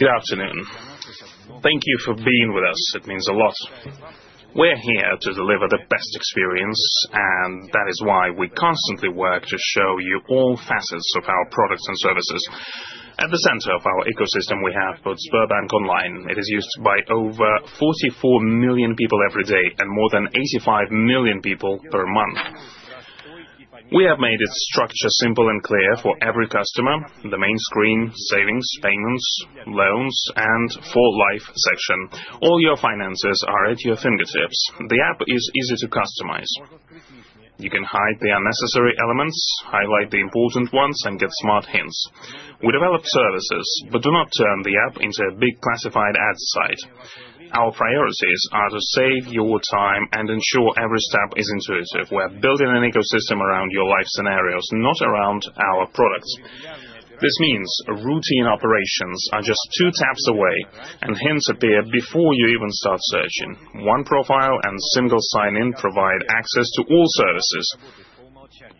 Good afternoon. Thank you for being with us. It means a lot. We're here to deliver the best experience, and that is why we constantly work to show you all facets of our products and services. At the center of our ecosystem, we have Sberbank Online. It is used by over 44 million people every day, and more than 85 million people per month. We have made its structure simple and clear for every customer: the main screen, Savings, Payments, Loans, and For Life section. All your finances are at your fingertips. The app is easy to customize. You can hide the unnecessary elements, highlight the important ones, and get smart hints. We developed services, but do not turn the app into a big classified ads site. Our priorities are to save your time and ensure every step is intuitive. We're building an ecosystem around your life scenarios, not around our products. This means routine operations are just two taps away, and hints appear before you even start searching. One profile and single sign-in provide access to all services.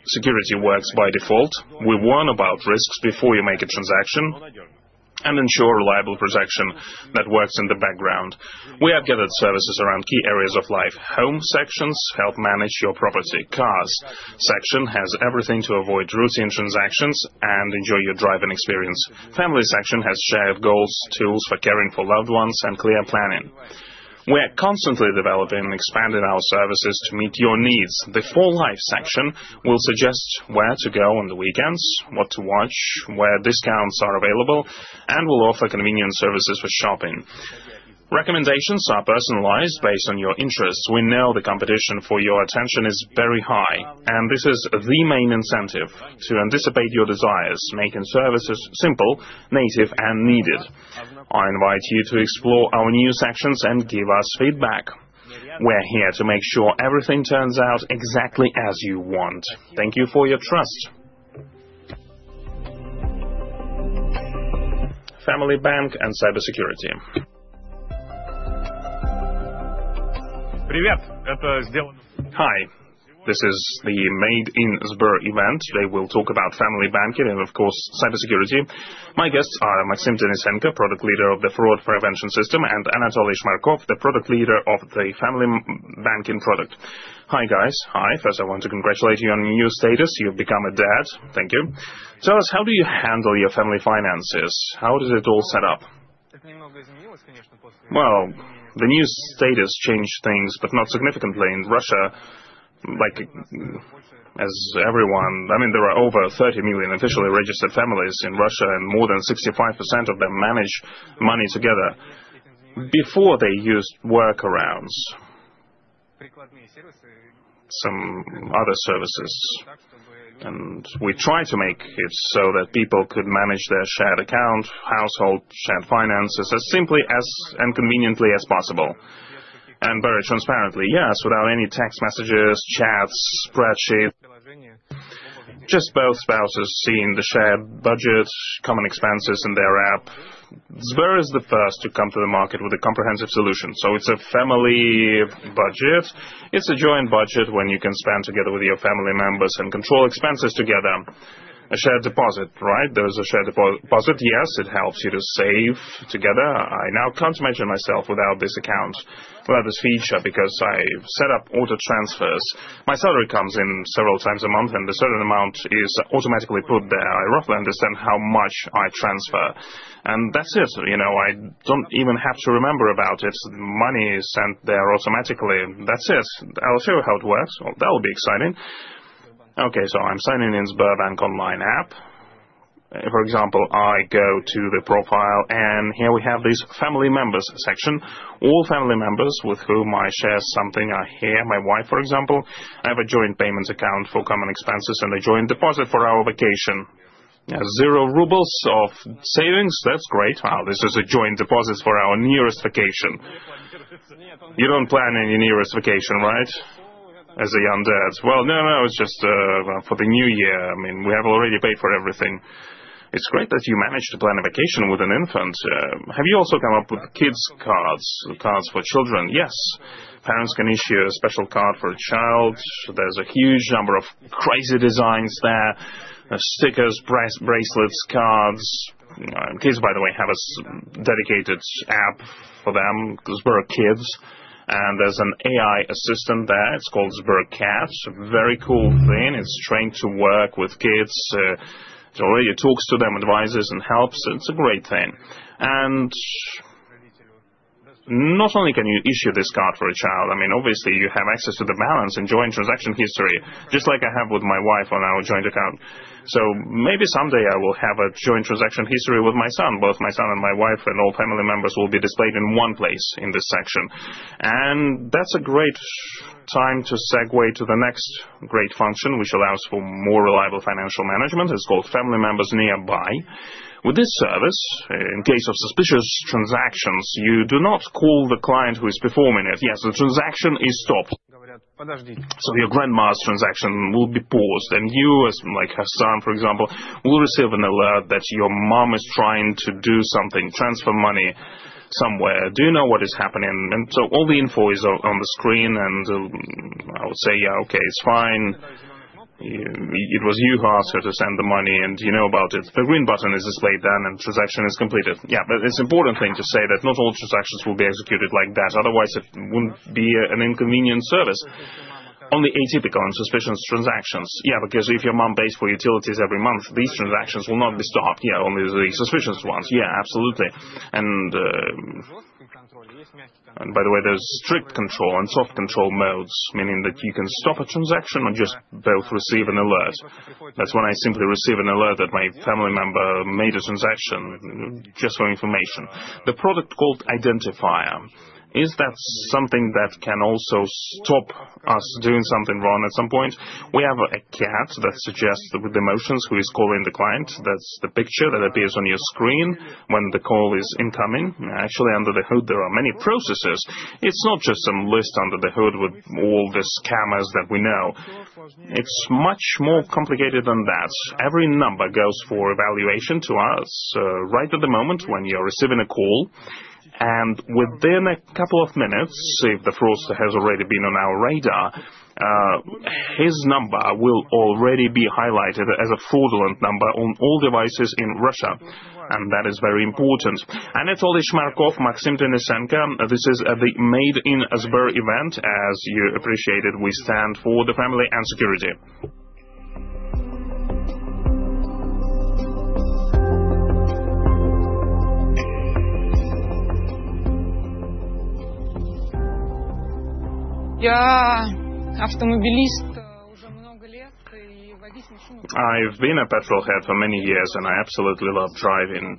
Security works by default. We warn about risks before you make a transaction and ensure reliable protection that works in the background. We have gathered services around key areas of life. Home section help manage your property. Cars section has everything to avoid routine transactions and enjoy your driving experience. Family section has shared goals, tools for caring for loved ones, and clear planning. We're constantly developing and expanding our services to meet your needs. The For Life section will suggest where to go on the weekends, what to watch, where discounts are available, and will offer convenient services for shopping. Recommendations are personalized based on your interests. We know the competition for your attention is very high, and this is the main incentive: to anticipate your desires, making services simple, native, and needed. I invite you to explore our new sections and give us feedback. We're here to make sure everything turns out exactly as you want. Thank you for your trust. Family Bank and cybersecurity. Hi. This is the Made in Sber event. They will talk about Family Bank and, of course, cybersecurity. My guests are Maxim Denisenko, product leader of the fraud prevention system, and Anatoly Shmakov, the product leader of the Family Bank product. Hi, guys. Hi. First, I want to congratulate you on your new status. You've become a dad. Thank you. Tell us, how do you handle your family finances? How is it all set up? Well, the new status changed things, but not significantly. In Russia, like as everyone, I mean, there are over 30 million officially registered families in Russia, and more than 65% of them manage money together. Before, they used workarounds, some other services, and we tried to make it so that people could manage their shared account, household shared finances as simply and conveniently as possible. And very transparently, yes, without any text messages, chats, spread sheets. Just both spouses seeing the shared budget, common expenses in their app. Sber is the first to come to the market with a comprehensive solution. So it's a family budget. It's a joint budget when you can spend together with your family members and control expenses together. A shared deposit, right? There's a shared deposit. Yes, it helps you to save together. I now can't imagine myself without this account, without this feature, because I set up auto transfers. My salary comes in several times a month, and a certain amount is automatically put there. I roughly understand how much I transfer. And that's it. I don't even have to remember about it. Money is sent there automatically. That's it. I'll show you how it works. Well, that will be exciting. Okay, so I'm signing Sberbank Online app. For example, I go to the profile, and here we have this family members section. All family members with whom I share something are here. My wife, for example. I have a joint Payments account for common expenses and a joint deposit for our vacation. 0 rubles of Savings. That's great. Wow, this is a joint deposit for our nearest vacation. You don't plan any nearest vacation, right? As a young dad, well, no, no, it's just for the new year. I mean, we have already paid for everything. It's great that you managed to plan a vacation with an infant. Have you also come up with kids' cards, cards for children? Yes. Parents can issue a special card for a child. There's a huge number of crazy designs there. Stickers, bracelets, cards. Kids, by the way, have a dedicated app for them. SberKids. There's an AI assistant there. It's called SberCat. Very cool thing. It's trained to work with kids. It already talks to them, advises, and helps. It's a great thing. Not only can you issue this card for a child, I mean, obviously, you have access to the balance and joint transaction history, just like I have with my wife on our joint account. Maybe someday I will have a joint transaction history with my son. Both my son and my wife and all family members will be displayed in one place in this section. That's a great time to segue to the next great function, which allows for more reliable financial management. It's called Family Members Nearby. With this service, in case of suspicious transactions, you do not call the client who is performing it. Yes, the transaction is stopped. So your grandma's transaction will be paused, and you, like her son, for example, will receive an alert that your mom is trying to do something, transfer money somewhere. Do you know what is happening? And so all the info is on the screen, and I would say, yeah, okay, it's fine. It was you who asked her to send the money, and you know about it. The green button is displayed then, and transaction is completed. Yeah, but it's an important thing to say that not all transactions will be executed like that. Otherwise, it wouldn't be an inconvenient service. Only atypical and suspicious transactions. Yeah, because if your mom pays for utilities every month, these transactions will not be stopped. Yeah, only the suspicious ones. Yeah, absolutely. And by the way, there's strict control and soft control modes, meaning that you can stop a transaction or just both receive an alert. That's when I simply receive an alert that my family member made a transaction, just for information. The product called Identifier. Is that something that can also stop us doing something wrong at some point? We have a cat that suggests with emotions who is calling the client. That's the picture that appears on your screen when the call is incoming. Actually, under the hood, there are many processes. It's not just some list under the hood with all the scammers that we know. It's much more complicated than that. Every number goes for evaluation to us right at the moment when you're receiving a call. And within a couple of minutes, if the fraudster has already been on our radar, his number will already be highlighted as a fraudulent number on all devices in Russia. And that is very important. Anatoly Shmakov, Maxim Denisenko. This is the Made in Sber event. As you appreciated, we stand for the family and security. I've been a petrolhead for many years, and I absolutely love driving.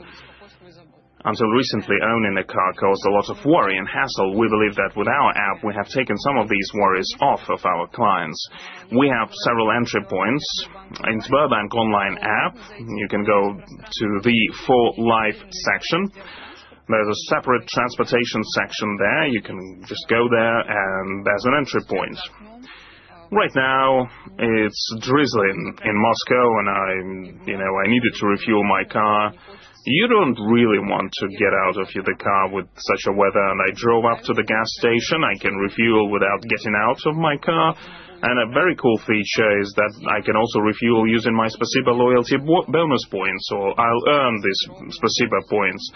Until recently, owning a car caused a lot of worry and hassle. We believe that with our app, we have taken some of these worries off of our clients. We have several entry points. Sberbank Online app, you can go to the For Life section. There's a separate Transportation section there. You can just go there, and there's an entry point. Right now, it's drizzling in Moscow, and I needed to refuel my car. You don't really want to get out of the car with such weather. And I drove up to the gas station. I can refuel without getting out of my car. And a very cool feature is that I can also refuel using my SberSpasibo loyalty bonus points, or I'll earn these SberSpasibo points.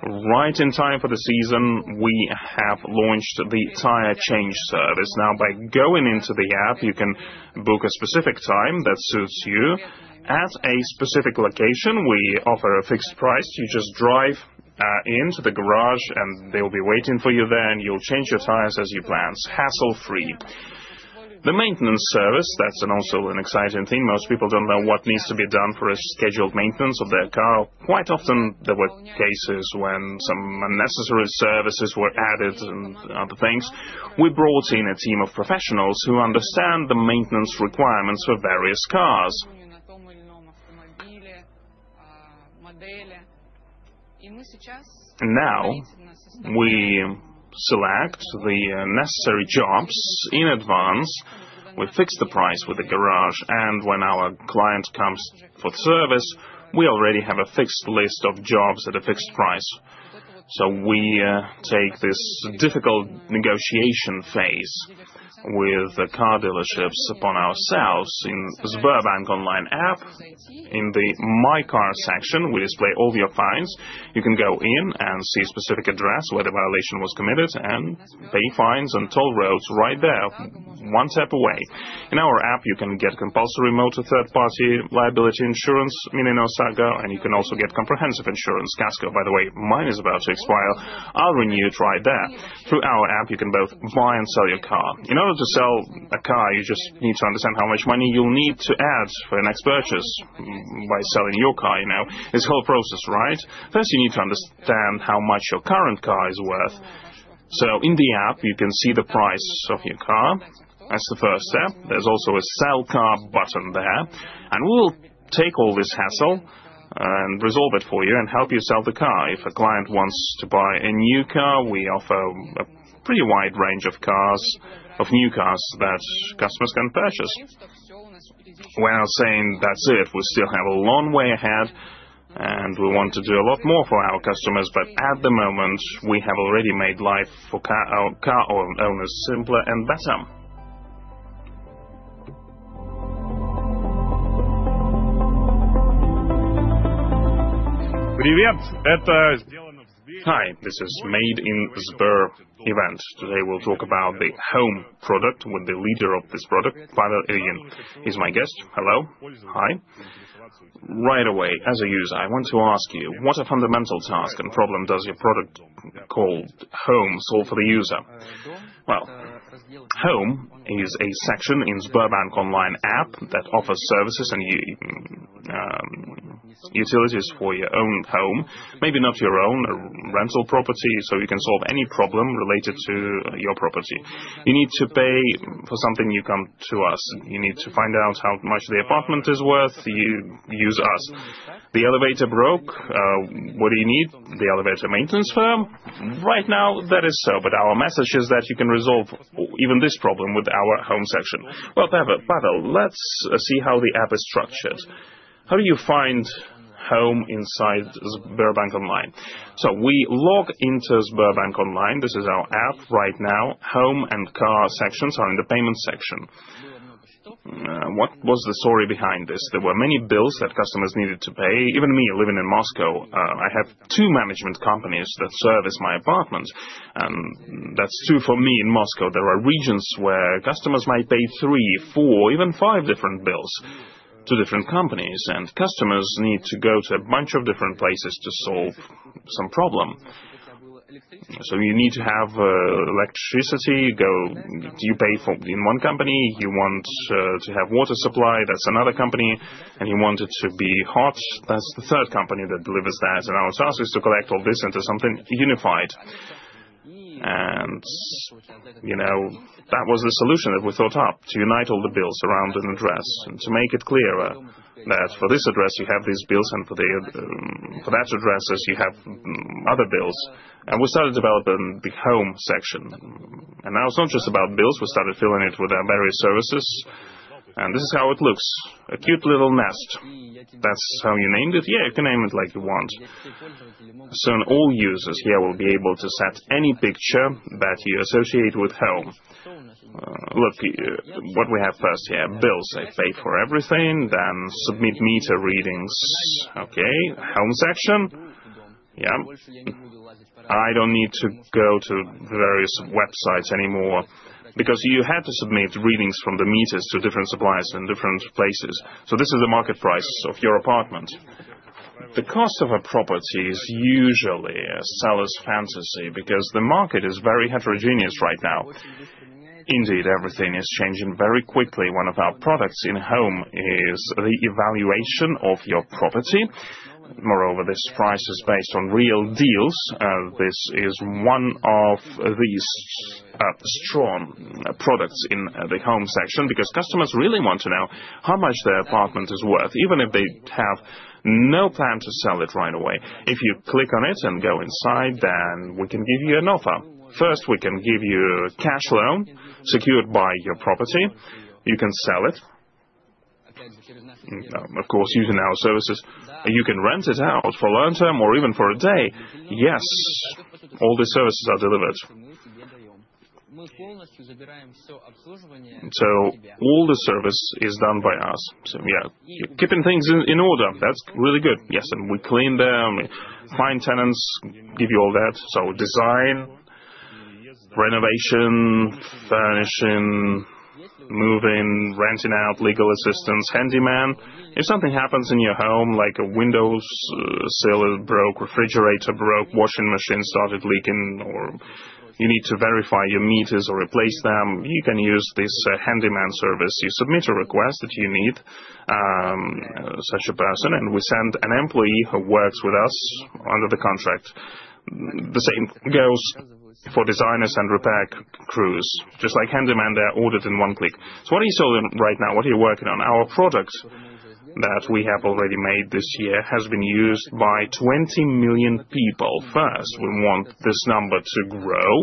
Right in time for the season, we have launched the tire change service. Now, by going into the app, you can book a specific time that suits you at a specific location. We offer a fixed price. You just drive into the garage, and they'll be waiting for you there, and you'll change your tires as you plan. Hassle-free. The maintenance service, that's also an exciting thing. Most people don't know what needs to be done for a scheduled maintenance of their car. Quite often, there were cases when some unnecessary services were added and other things. We brought in a team of professionals who understand the maintenance requirements for various cars. Now, we select the necessary jobs in advance. We fix the price with the garage, and when our client comes for service, we already have a fixed list of jobs at a fixed price. So we take this difficult negotiation phase with the car dealerships upon ourselves Sberbank Online app. In the My Car section, we display all your fines. You can go in and see a specific address where the violation was committed and pay fines and toll roads right there, one step away. In our app, you can get compulsory motor third-party liability insurance, meaning OSAGO, and you can also get comprehensive insurance. Kasko, by the way, mine is about to expire. I'll renew it right there. Through our app, you can both buy and sell your car. In order to sell a car, you just need to understand how much money you'll need to add for your next purchase by selling your car. It's a whole process, right? First, you need to understand how much your current car is worth. So in the app, you can see the price of your car. That's the first step. There's also a sell car button there. And we'll take all this hassle and resolve it for you and help you sell the car. If a client wants to buy a new car, we offer a pretty wide range of cars, of new cars that customers can purchase. We're not saying that's it. We still have a long way ahead, and we want to do a lot more for our customers, but at the moment, we have already made life for our car owners simpler and better. Hi, this is Made in Sber event. Today, we'll talk about the Home product with the leader of this product, Fedor Ilyin. He's my guest. Hello. Hi. Right away, as a user, I want to ask you, what a fundamental task and problem does your product called Home solve for the user? Well, Home is a section Sberbank Online app that offers services and utilities for your own home, maybe not your own, a rental property, so you can solve any problem related to your property. You need to pay for something, you come to us. You need to find out how much the apartment is worth, you use us. The elevator broke. What do you need? The elev`tor maintenance firm? Right now, that is so, but our message is that you can resolve even this problem with our Home section. Well, Fedor, let's see how the app is structured. How do you find Home Sberbank Online? So we log Sberbank Online. This is our app right now. Home and Car sections are in the Payments section. What was the story behind this? There were many bills that customers needed to pay. Even me, living in Moscow, I have two management companies that service my apartment. And that's two for me in Moscow. There are regions where customers might pay three, four, even five different bills to different companies. And customers need to go to a bunch of different places to solve some problem. So you need to have electricity. Do you pay for in one company? You want to have water supply. That's another company. And you want it to be hot. That's the third company that delivers that. And our task is to collect all this into something unified. And that was the solution that we thought up to unite all the bills around an address and to make it clearer that for this address, you have these bills, and for that address, you have other bills. And we started developing the Home section. And now it's not just about bills. We started filling it with our various services. And this is how it looks. A cute little nest. That's how you named it? Yeah, you can name it like you want. So all users here will be able to set any picture that you associate with Home. Look, what we have first here, bills. I pay for everything. Then submit meter readings. Okay. Home section. Yeah. I don't need to go to various websites anymore because you had to submit readings from the meters to different suppliers in different places. So this is the market price of your apartment. The cost of a property is usually a seller's fantasy because the market is very heterogeneous right now. Indeed, everything is changing very quickly. One of our products in Home is the evaluation of your property. Moreover, this price is based on real deals. This is one of these strong products in the Home section because customers really want to know how much their apartment is worth, even if they have no plan to sell it right away. If you click on it and go inside, then we can give you an offer. First, we can give you a cash loan secured by your property. You can sell it. Of course, using our services. You can rent it out for a long term or even for a day. Yes, all the services are delivered. So all the service is done by us. So yeah, keeping things in order. That's really good. Yes, and we clean them, find tenants, give you all that. So design, renovation, furnishing, moving, renting out, legal assistance, handyman. If something happens in your home, like a window sill is broke, refrigerator broke, washing machine started leaking, or you need to verify your meters or replace them, you can use this handyman service. You submit a request that you need such a person, and we send an employee who works with us under the contract. The same goes for designers and repair crews. Just like handyman, they're ordered in one click. So what are you selling right now? What are you working on? Our product that we have already made this year has been used by 20 million people. First, we want this number to grow.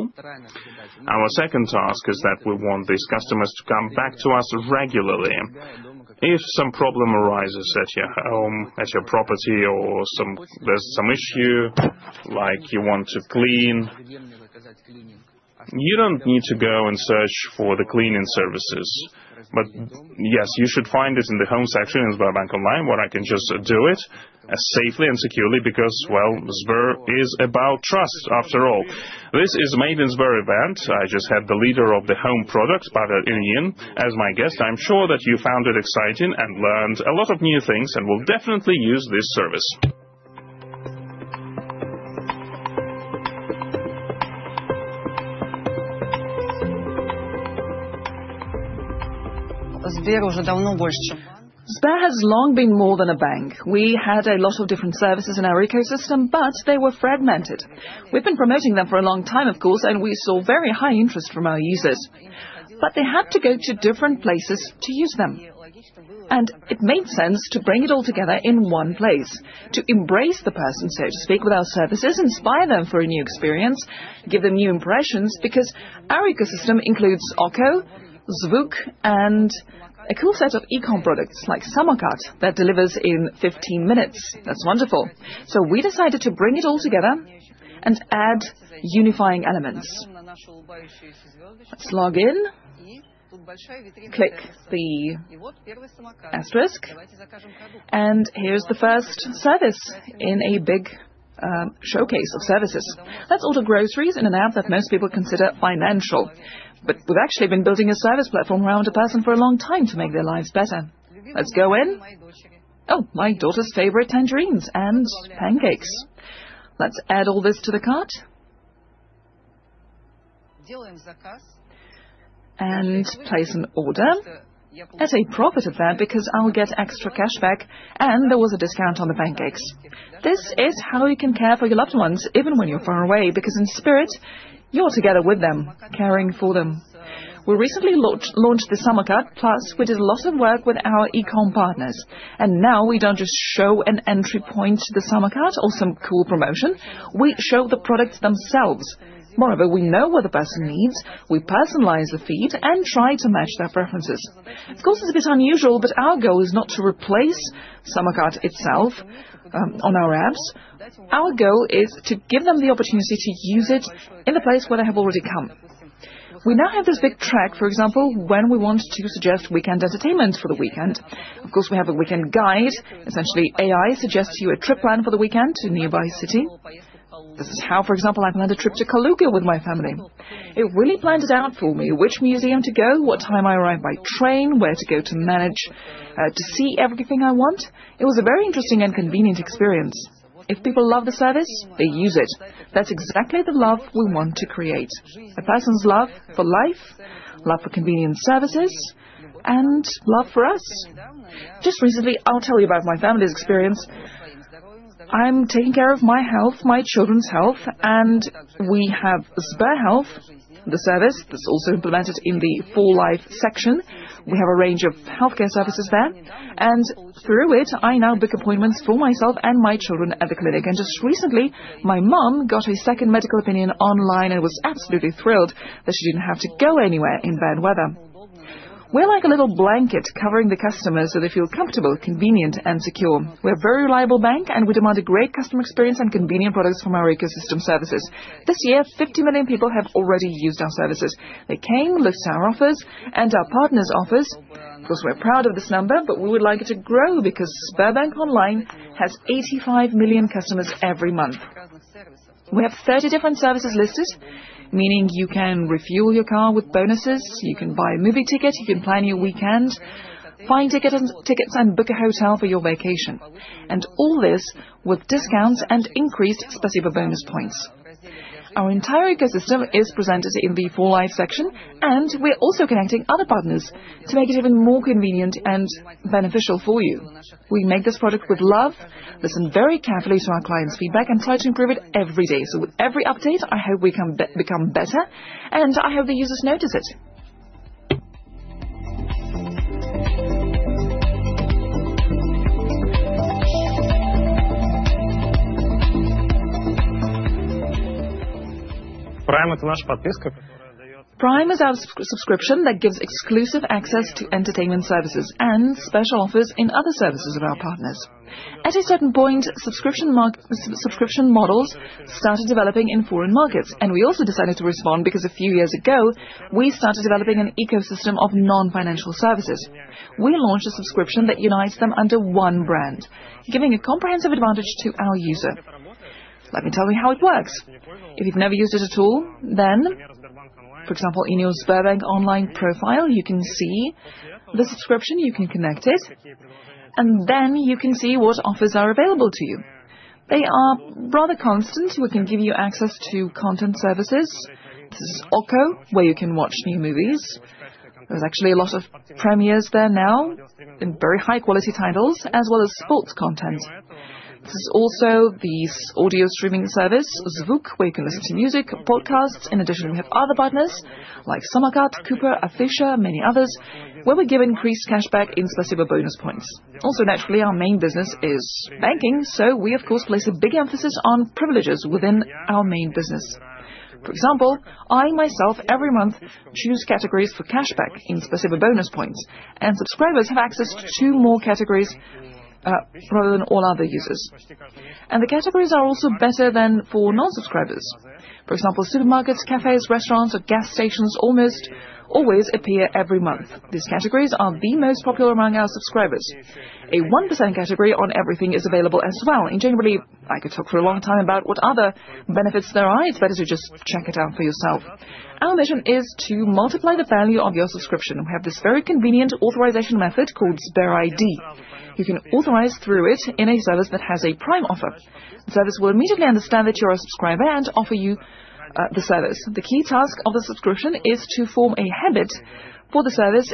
Our second task is that we want these customers to come back to us regularly. If some problem arises at your home, at your property, or there's some issue, like you want to clean, you don't need to go and search for the cleaning services. But yes, you should find it in the Home section Sberbank Online, where I can just do it safely and securely because, well, Sber is about trust, after all. This is Made in Sber event. I just had the leader of the Home product, Fedor Ilyin, as my guest. I'm sure that you found it exciting and learned a lot of new things and will definitely use this service. Sber has long been more than a bank. We had a lot of different services in our ecosystem, but they were fragmented. We've been promoting them for a long time, of course, and we saw very high interest from our users. But they had to go to different places to use them. And it made sense to bring it all together in one place, to embrace the person, so to speak, with our services, inspire them for a new experience, give them new impressions, because our ecosystem includes Okko, Zvuk, and a cool set of e-com products like Samokat that delivers in 15 minutes. That's wonderful. So we decided to bring it all together and add unifying elements. Let's log in, click the asterisk, and here's the first service in a big showcase of services. Let's order groceries in an app that most people consider financial. But we've actually been building a service platform around a person for a long time to make their lives better. Let's go in. Oh, my daughter's favorite tangerines and pancakes. Let's add all this to the cart and place an order. It's a profit event because I'll get extra cash back, and there was a discount on the pancakes. This is how you can care for your loved ones, even when you're far away, because in spirit, you're together with them, caring for them. We recently launched the Samokat, plus we did a lot of work with our e-com partners, and now we don't just show an entry point to the Samokat or some cool promotion. We show the products themselves. Moreover, we know what the person needs. We personalize the feed and try to match their preferences. Of course, it's a bit unusual, but our goal is not to replace Samokat itself on our apps. Our goal is to give them the opportunity to use it in the place where they have already come. We now have this big track, for example, when we want to suggest weekend entertainment for the weekend. Of course, we have a weekend guide. Essentially, AI suggests to you a trip plan for the weekend to a nearby city. This is how, for example, I planned a trip to Kaluga with my family. It really planned it out for me, which museum to go, what time I arrived by train, where to go to manage, to see everything I want. It was a very interesting and convenient experience. If people love the service, they use it. That's exactly the love we want to create. A person's love for life, love for convenience services, and love for us. Just recently, I'll tell you about my family's experience. I'm taking care of my health, my children's health, and we have SberHealth, the service that's also implemented in the full life section. We have a range of healthcare services there. And through it, I now book appointments for myself and my children at the clinic. And just recently, my mom got a second medical opinion online and was absolutely thrilled that she didn't have to go anywhere in bad weather. We're like a little blanket covering the customers so they feel comfortable, convenient, and secure. We're a very reliable bank, and we demand a great customer experience and convenient products from our ecosystem services. This year, 50 million people have already used our services. They came, looked at our offers, and our partners' offers. Of course, we're proud of this number, but we would like it to grow Sberbank Online has 85 million customers every month. We have 30 different services listed, meaning you can refuel your car with bonuses, you can buy a movie ticket, you can plan your weekend, find tickets and book a hotel for your vacation. And all this with discounts and increased SberSpasibo bonus points. Our entire ecosystem is presented in the For Life section, and we're also connecting other partners to make it even more convenient and beneficial for you. We make this product with love. We listen very carefully to our clients' feedback and try to improve it every day. So with every update, I hope we can become better, and I hope the users notice it. Prime is our subscription that gives exclusive access to entertainment services and special offers in other services of our partners. At a certain point, subscription models started developing in foreign markets, and we also decided to respond because a few years ago, we started developing an ecosystem of non-financial services. We launched a subscription that unites them under one brand, giving a comprehensive advantage to our user. Let me tell you how it works. If you've never used it at all, then, for example, in Sberbank Online profile, you can see the subscription, you can connect it, and then you can see what offers are available to you. They are rather constant. We can give you access to content services. This is Okko, where you can watch new movies. There's actually a lot of premieres there now, very high-quality titles, as well as sports content. This is also the audio streaming service, Zvuk, where you can listen to music, podcasts. In addition, we have other partners like Samokat, Kuper, Afisha, many others, where we give increased cash back in SberSpasibo bonus points. Also, naturally, our main business is banking, so we, of course, place a big emphasis on privileges within our main business. For example, I myself, every month, choose categories for cash back in SberSpasibo bonus points, and subscribers have access to two more categories rather than all other users, and the categories are also better than for non-subscribers. For example, supermarkets, cafes, restaurants, or gas stations almost always appear every month. These categories are the most popular among our subscribers. A 1% category on everything is available as well. In general, I could talk for a long time about what other benefits there are. It's better to just check it out for yourself. Our mission is to multiply the value of your subscription. We have this very convenient authorization method called SberID. You can authorize through it in a service that has a Prime offer. The service will immediately understand that you're a subscriber and offer you the service. The key task of the subscription is to form a habit for the service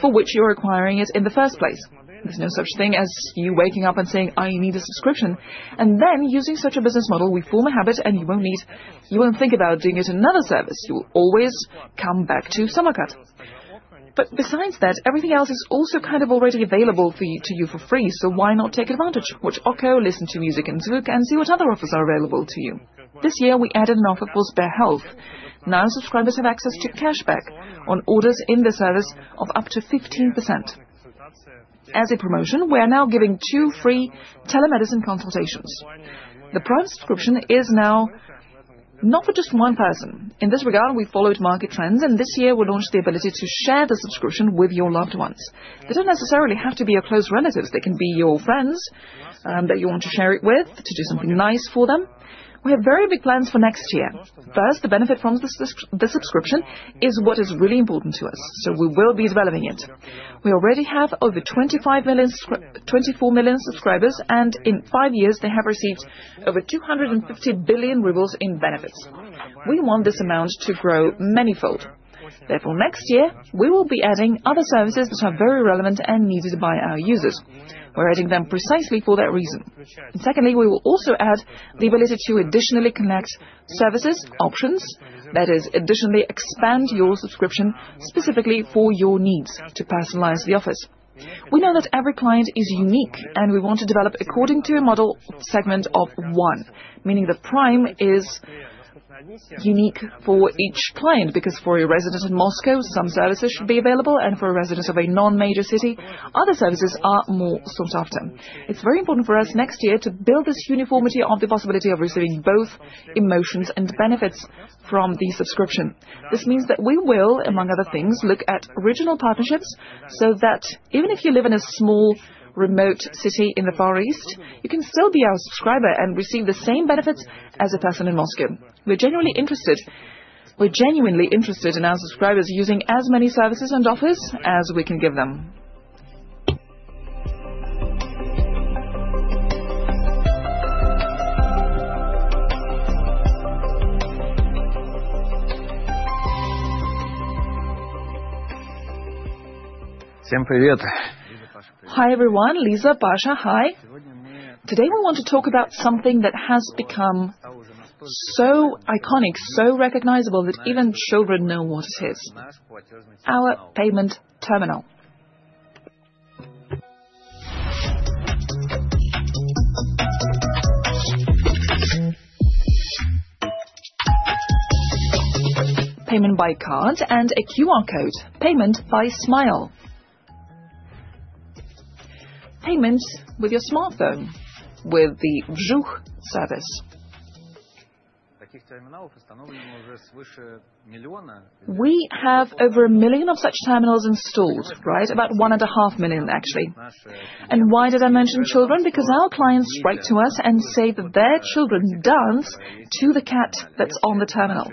for which you're acquiring it in the first place. There's no such thing as you waking up and saying, "I need a subscription." And then, using such a business model, we form a habit, and you won't need to think about doing it in another service. You will always come back to Samokat. But besides that, everything else is also kind of already available to you for free. So why not take advantage? Watch Okko, listen to music in Zvuk, and see what other offers are available to you. This year, we added an offer for SberHealth. Now, subscribers have access to cash back on orders in the service of up to 15%. As a promotion, we're now giving two free telemedicine consultations. The Prime subscription is now not for just one person. In this regard, we followed market trends, and this year, we launched the ability to share the subscription with your loved ones. They don't necessarily have to be your close relatives. They can be your friends that you want to share it with, to do something nice for them. We have very big plans for next year. First, the benefit from the subscription is what is really important to us. So we will be developing it. We already have over 24 million subscribers, and in five years, they have received over 250 billion rubles in benefits. We want this amount to grow manifold. Therefore, next year, we will be adding other services that are very relevant and needed by our users. We're adding them precisely for that reason. Secondly, we will also add the ability to additionally connect services options, that is, additionally expand your subscription specifically for your needs to personalize the office. We know that every client is unique, and we want to develop according to a model segment of one, meaning the Prime is unique for each client because for a resident of Moscow, some services should be available, and for a resident of a non-major city, other services are more sought after. It's very important for us next year to build this uniformity of the possibility of receiving both emotions and benefits from the subscription. This means that we will, among other things, look at regional partnerships so that even if you live in a small remote city in the Far East, you can still be our subscriber and receive the same benefits as a person in Moscow. We're genuinely interested. We're genuinely interested in our subscribers using as many services and offers as we can give them. Hi everyone, Lisa, Sasha, hi. Today we want to talk about something that has become so iconic, so recognizable that even children know what it is: our payment terminal. Payment by card and a QR code, payment by Smile. Payment with your smartphone with the Vzhukh service. We have over 1 million of such terminals installed, right? About 1.5 million, actually. And why did I mention children? Because our clients write to us and say that their children dance to the cat that's on the terminal.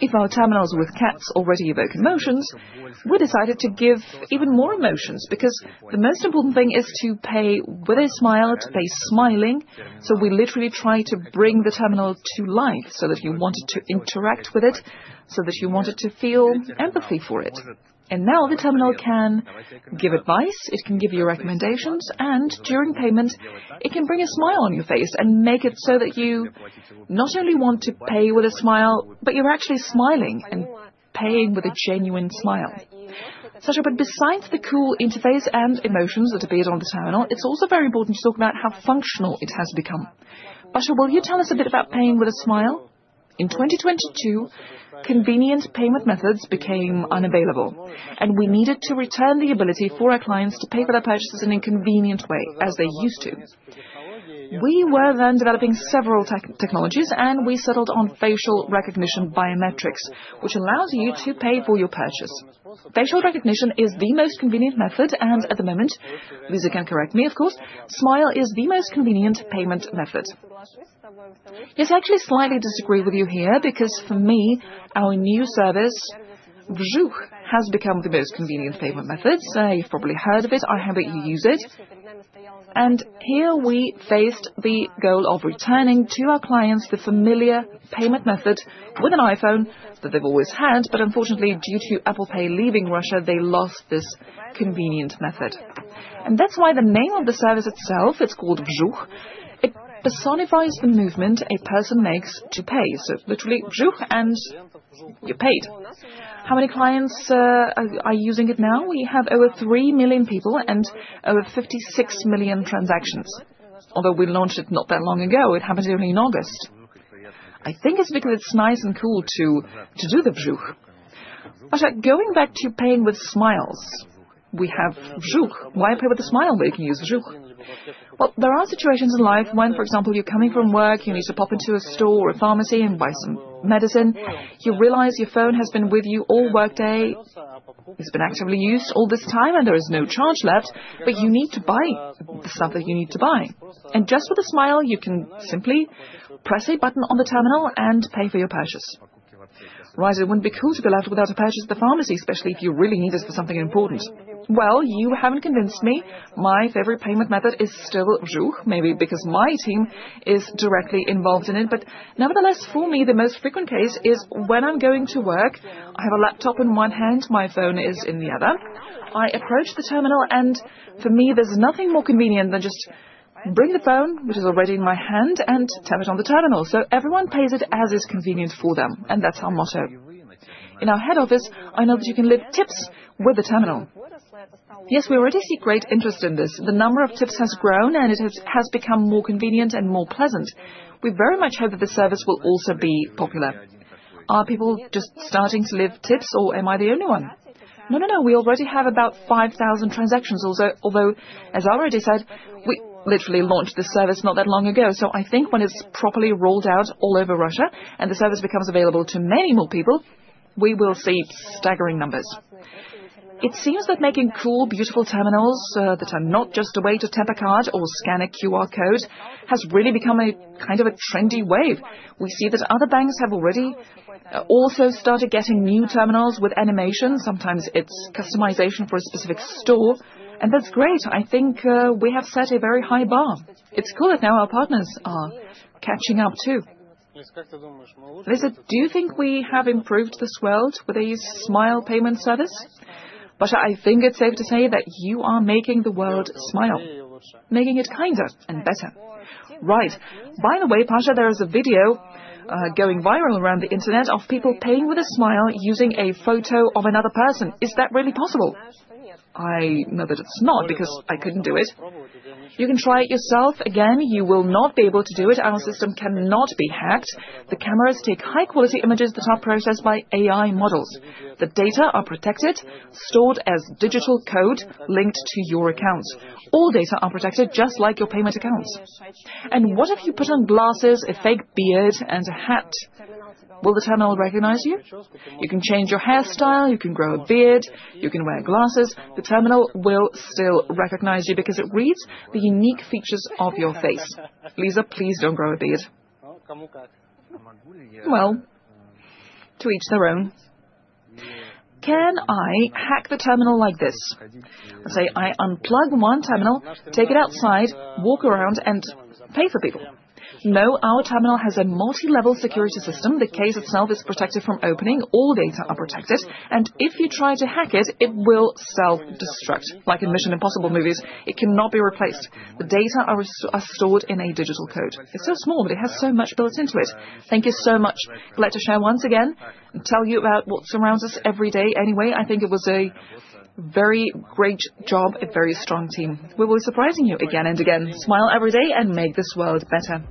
If our terminals with cats already evoke emotions, we decided to give even more emotions because the most important thing is to pay with a smile, to pay smiling. So we literally try to bring the terminal to life so that you wanted to interact with it, so that you wanted to feel empathy for it. And now the terminal can give advice, it can give you recommendations, and during payment, it can bring a smile on your face and make it so that you not only want to pay with a smile, but you're actually smiling and paying with a genuine smile. Pasha, but besides the cool interface and emotions that appeared on the terminal, it's also very important to talk about how functional it has become. Pasha, will you tell us a bit about paying with a smile? In 2022, convenient payment methods became unavailable, and we needed to return the ability for our clients to pay for their purchases in a convenient way, as they used to. We were then developing several technologies, and we settled on facial recognition biometrics, which allows you to pay for your purchase. Facial recognition is the most convenient method, and at the moment, Lisa can correct me, of course, Smile is the most convenient payment method. Yes, I actually slightly disagree with you here because for me, our new service, Vzhukh, has become the most convenient payment method. You've probably heard of it. I hope that you use it. Here we faced the goal of returning to our clients the familiar payment method with an iPhone that they've always had, but unfortunately, due to Apple Pay leaving Russia, they lost this convenient method. That's why the name of the service itself, it's called Vzhukh, it personifies the movement a person makes to pay. Literally, Vzhukh, and you're paid. How many clients are using it now? We have over three million people and over 56 million transactions. Although we launched it not that long ago, it happened only in August. I think it's because it's nice and cool to do the Vzhukh. Pasha, going back to paying with smiles, we have Vzhukh. Why pay with a smile when you can use Vzhukh? Well, there are situations in life when, for example, you're coming from work, you need to pop into a store or a pharmacy and buy some medicine. You realize your phone has been with you all workday. It's been actively used all this time, and there is no charge left, but you need to buy the stuff that you need to buy. And just with a smile, you can simply press a button on the terminal and pay for your purchase. Right, it wouldn't be cool to be left without a purchase at the pharmacy, especially if you really need it for something important. Well, you haven't convinced me. My favorite payment method is still Vzhukh, maybe because my team is directly involved in it, but nevertheless, for me, the most frequent case is when I'm going to work, I have a laptop in one hand, my phone is in the other. I approach the terminal, and for me, there's nothing more convenient than just bring the phone, which is already in my hand, and tap it on the terminal, so everyone pays it as is convenient for them, and that's our motto. In our head office, I know that you can leave tips with the terminal. Yes, we already see great interest in this. The number of tips has grown, and it has become more convenient and more pleasant. We very much hope that the service will also be popular. Are people just starting to leave tips, or am I the only one? No, no, no. We already have about 5,000 transactions, although, as I already said, we literally launched the service not that long ago. So I think when it's properly rolled out all over Russia and the service becomes available to many more people, we will see staggering numbers. It seems that making cool, beautiful terminals that are not just a way to tap a card or scan a QR code has really become a kind of a trendy wave. We see that other banks have already also started getting new terminals with animation. Sometimes it's customization for a specific store, and that's great. I think we have set a very high bar. It's cool that now our partners are catching up too. Lisa, do you think we have improved this world with a smile payment service? Pasha, I think it's safe to say that you are making the world smile, making it kinder and better. Right. By the way, Pasha, there is a video going viral around the internet of people paying with a smile using a photo of another person. Is that really possible? I know that it's not because I couldn't do it. You can try it yourself. Again, you will not be able to do it. Our system cannot be hacked. The cameras take high-quality images that are processed by AI models. The data are protected, stored as digital code linked to your account. All data are protected just like your payment accounts, and what if you put on glasses, a fake beard, and a hat? Will the terminal recognize you? You can change your hairstyle, you can grow a beard, you can wear glasses. The terminal will still recognize you because it reads the unique features of your face. Lisa, please don't grow a beard, well, to each their own. Can I hack the terminal like this? Let's say I unplug one terminal, take it outside, walk around, and pay for people. No, our terminal has a multi-level security system. The case itself is protected from opening. All data are protected, and if you try to hack it, it will self-destruct, like in Mission Impossible movies. It cannot be replaced. The data are stored in a digital code. It's so small, but it has so much built into it. Thank you so much. Glad to share once again and tell you about what surrounds us every day anyway. I think it was a very great job, a very strong team. We will be surprising you again and again. Smile every day and make this world better.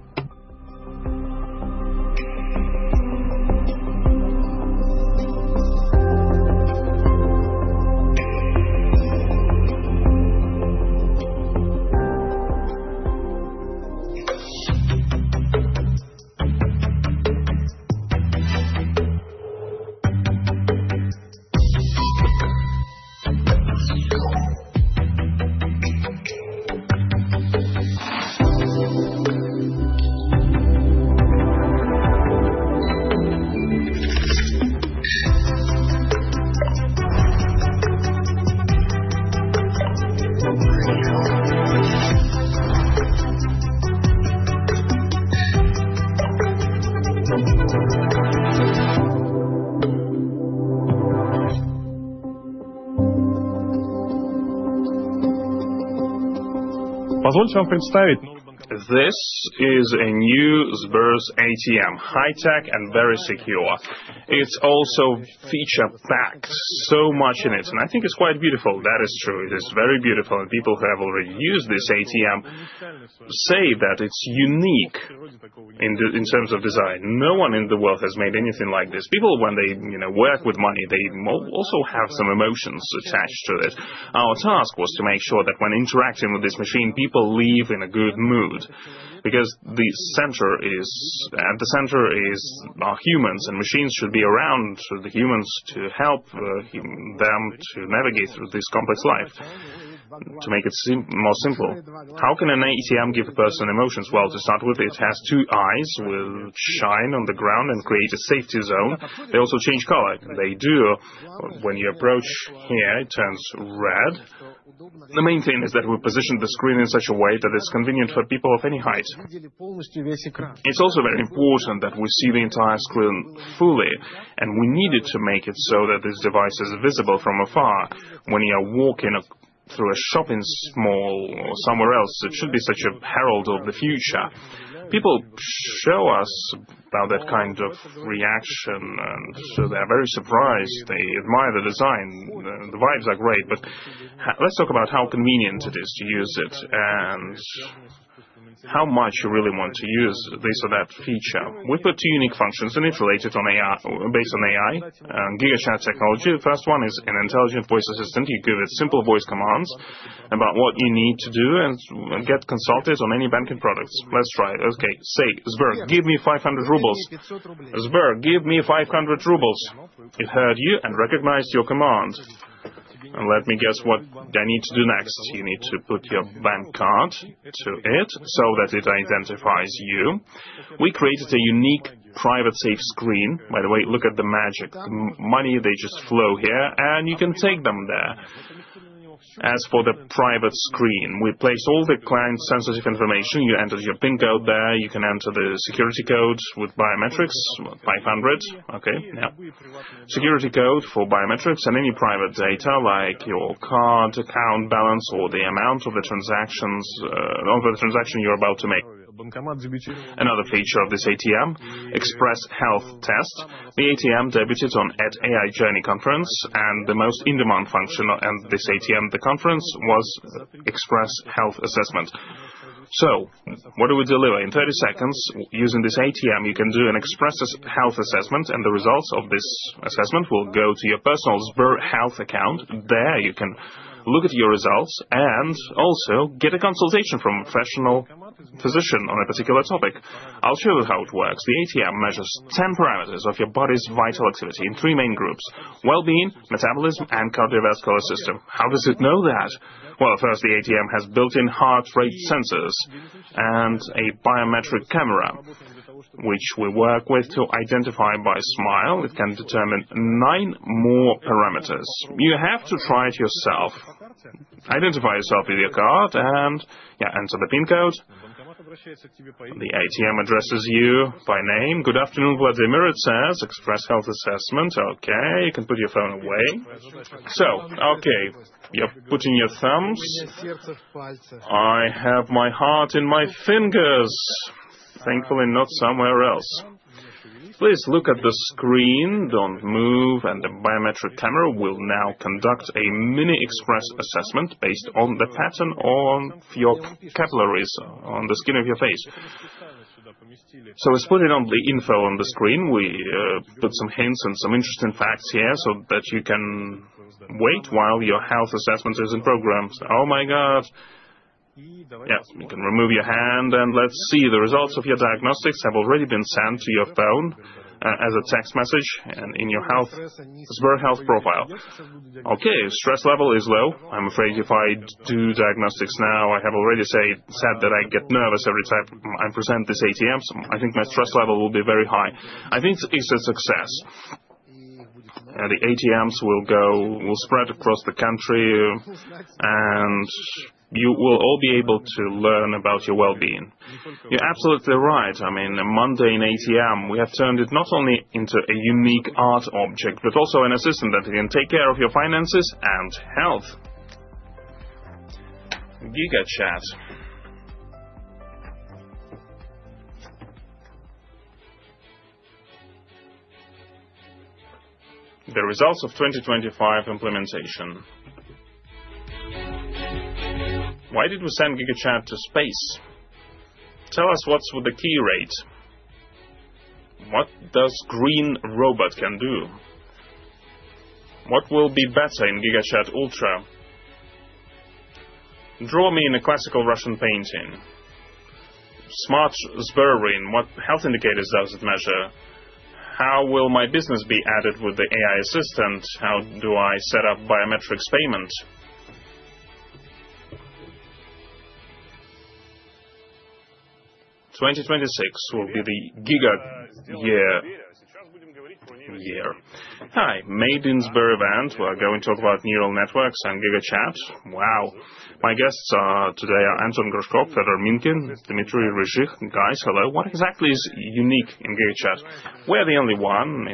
This is a new Sber's ATM, high-tech and very secure. It's also feature-packed, so much in it, and I think it's quite beautiful. That is true. It is very beautiful, and people who have already used this ATM say that it's unique in terms of design. No one in the world has made anything like this. People, when they work with money, they also have some emotions attached to it. Our task was to make sure that when interacting with this machine, people leave in a good mood because at the center are humans, and machines should be around the humans to help them to navigate through this complex life, to make it more simple. How can an ATM give a person emotions? To start with, it has two eyes which shine on the ground and create a safety zone. They also change color. They do. When you approach here, it turns red. The main thing is that we position the screen in such a way that it's convenient for people of any height. It's also very important that we see the entire screen fully, and we needed to make it so that this device is visible from afar. When you are walking through a shopping mall or somewhere else, it should be such a herald of the future. People show us about that kind of reaction, and so they are very surprised. They admire the design. The vibes are great, but let's talk about how convenient it is to use it and how much you really want to use this or that feature. We put two unique functions, and it's related on AI, based on AI, GigaChat technology. The first one is an intelligent voice assistant. You give it simple voice commands about what you need to do and get consulted on any banking products. Let's try. Okay, say, "Sber, give me 500 rubles." "Sber, give me 500 rubles." It heard you and recognized your command, and let me guess what I need to do next. You need to put your bank card to it so that it identifies you. We created a unique private safe screen. By the way, look at the magic. The money, they just flow here, and you can take them there. As for the private screen, we place all the client-sensitive information. You enter your PIN code there. You can enter the security code with biometrics, 500. Okay, now. Security code for biometrics and any private data like your card, account balance, or the amount of the transactions you're about to make. Another feature of this ATM, Express Health Test. The ATM debuted on AI Journey Conference, and the most in-demand function of this ATM, the conference, was Express Health Assessment. So what do we deliver? In 30 seconds, using this ATM, you can do an Express Health Assessment, and the results of this assessment will go to your personal SberHealth account. There you can look at your results and also get a consultation from a professional physician on a particular topic. I'll show you how it works. The ATM measures 10 parameters of your body's vital activity in three main groups: well-being, metabolism, and cardiovascular system. How does it know that? Well, first, the ATM has built-in heart rate sensors and a biometric camera, which we work with to identify by Smile. It can determine nine more parameters. You have to try it yourself. Identify yourself with your card and, yeah, enter the PIN code. The ATM addresses you by name. "Good afternoon, Vladimir," it says. "Express Health Assessment." Okay, you can put your phone away. So, okay, you're putting your thumbs. I have my heart in my fingers. Thankfully, not somewhere else. Please look at the screen. Don't move, and the biometric camera will now conduct a mini Express Assessment based on the pattern of your capillaries on the skin of your face. So we've put in all the info on the screen. We put some hints and some interesting facts here so that you can wait while your health assessment is in program. Oh my God. Yes, you can remove your hand, and let's see. The results of your diagnostics have already been sent to your phone as a text message and in your health SberHealth profile. Okay, stress level is low. I'm afraid if I do diagnostics now, I have already said that I get nervous every time I present this ATM. I think my stress level will be very high. I think it's a success. The ATMs will spread across the country, and you will all be able to learn about your well-being. You're absolutely right. I mean, a mundane ATM. We have turned it not only into a unique art object, but also an assistant that can take care of your finances and health. GigaChat. The results of 2025 implementation. Why did we send GigaChat to space? Tell us what's with the key rate. What does Green Robot can do? What will be better in GigaChat Ultra? Draw me in a classical Russian painting. Smart Saving. What health indicators does it measure? How will my business be added with the AI assistant? How do I set up biometrics payment? 2026 will be the Giga year. Hi, Made in Sber event. We're going to talk about neural networks and GigaChat. Wow. My guests today are Anton Gorshkov, Fedor Minkin, Dmitry Ryzhyk. Guys, hello. What exactly is unique in GigaChat? We are the only one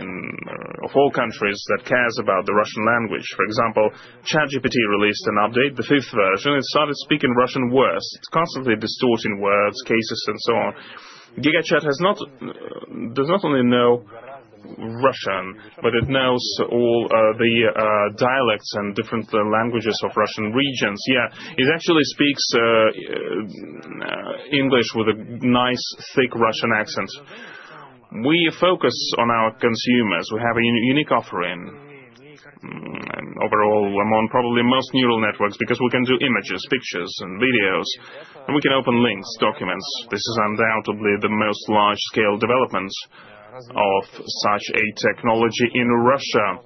of all countries that cares about the Russian language. For example, ChatGPT released an update, the fifth version. It started speaking Russian worse. It's constantly distorting words, cases, and so on. GigaChat does not only know Russian, but it knows all the dialects and different languages of Russian regions. Yeah, it actually speaks English with a nice, thick Russian accent. We focus on our consumers. We have a unique offering. Overall, among probably most neural networks, because we can do images, pictures, and videos, and we can open links, documents. This is undoubtedly the most large-scale development of such a technology in Russia,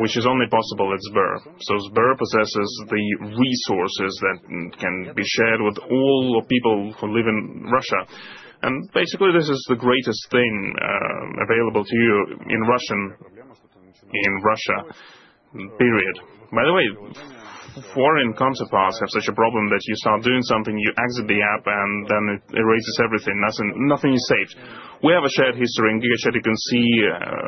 which is only possible at Sber. So Sber possesses the resources that can be shared with all people who live in Russia. And basically, this is the greatest thing available to you in Russia, period. By the way, foreign counterparts have such a problem that you start doing something, you exit the app, and then it erases everything. Nothing is saved. We have a shared history in GigaChat. You can see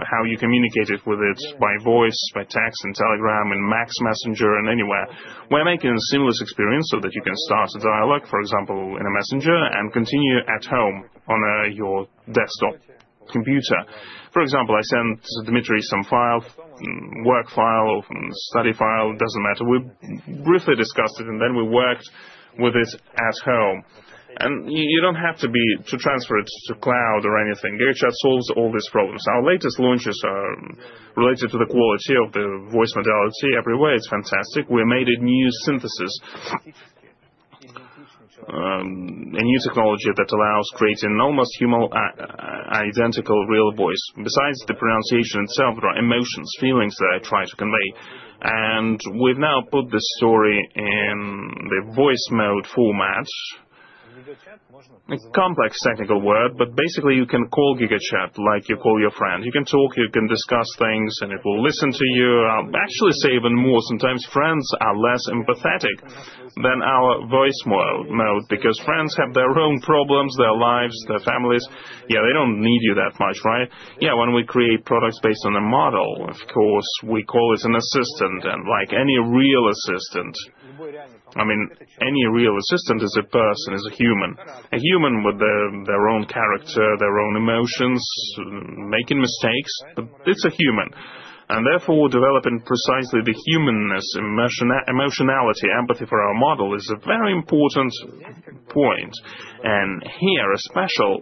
how you communicated with it by voice, by text, and Telegram, and MAX Messenger, and anywhere. We're making a seamless experience so that you can start a dialogue, for example, in a messenger, and continue at home on your desktop computer. For example, I sent Dmitry some file, work file, study file, doesn't matter. We briefly discussed it, and then we worked with it at home. And you don't have to transfer it to cloud or anything. GigaChat solves all these problems. Our latest launches are related to the quality of the voice modality everywhere. It's fantastic. We made a new synthesis, a new technology that allows creating almost identical real voice. Besides the pronunciation itself, there are emotions, feelings that I try to convey. And we've now put this story in the voice mode format. Complex technical word, but basically, you can call GigaChat like you call your friend. You can talk, you can discuss things, and it will listen to you. I'll actually say even more. Sometimes friends are less empathetic than our voice mode because friends have their own problems, their lives, their families. Yeah, they don't need you that much, right? Yeah, when we create products based on a model, of course, we call it an assistant, and like any real assistant, I mean, any real assistant is a person, is a human. A human with their own character, their own emotions, making mistakes, but it's a human. And therefore, developing precisely the humanness, emotionality, empathy for our model is a very important point. And here, a special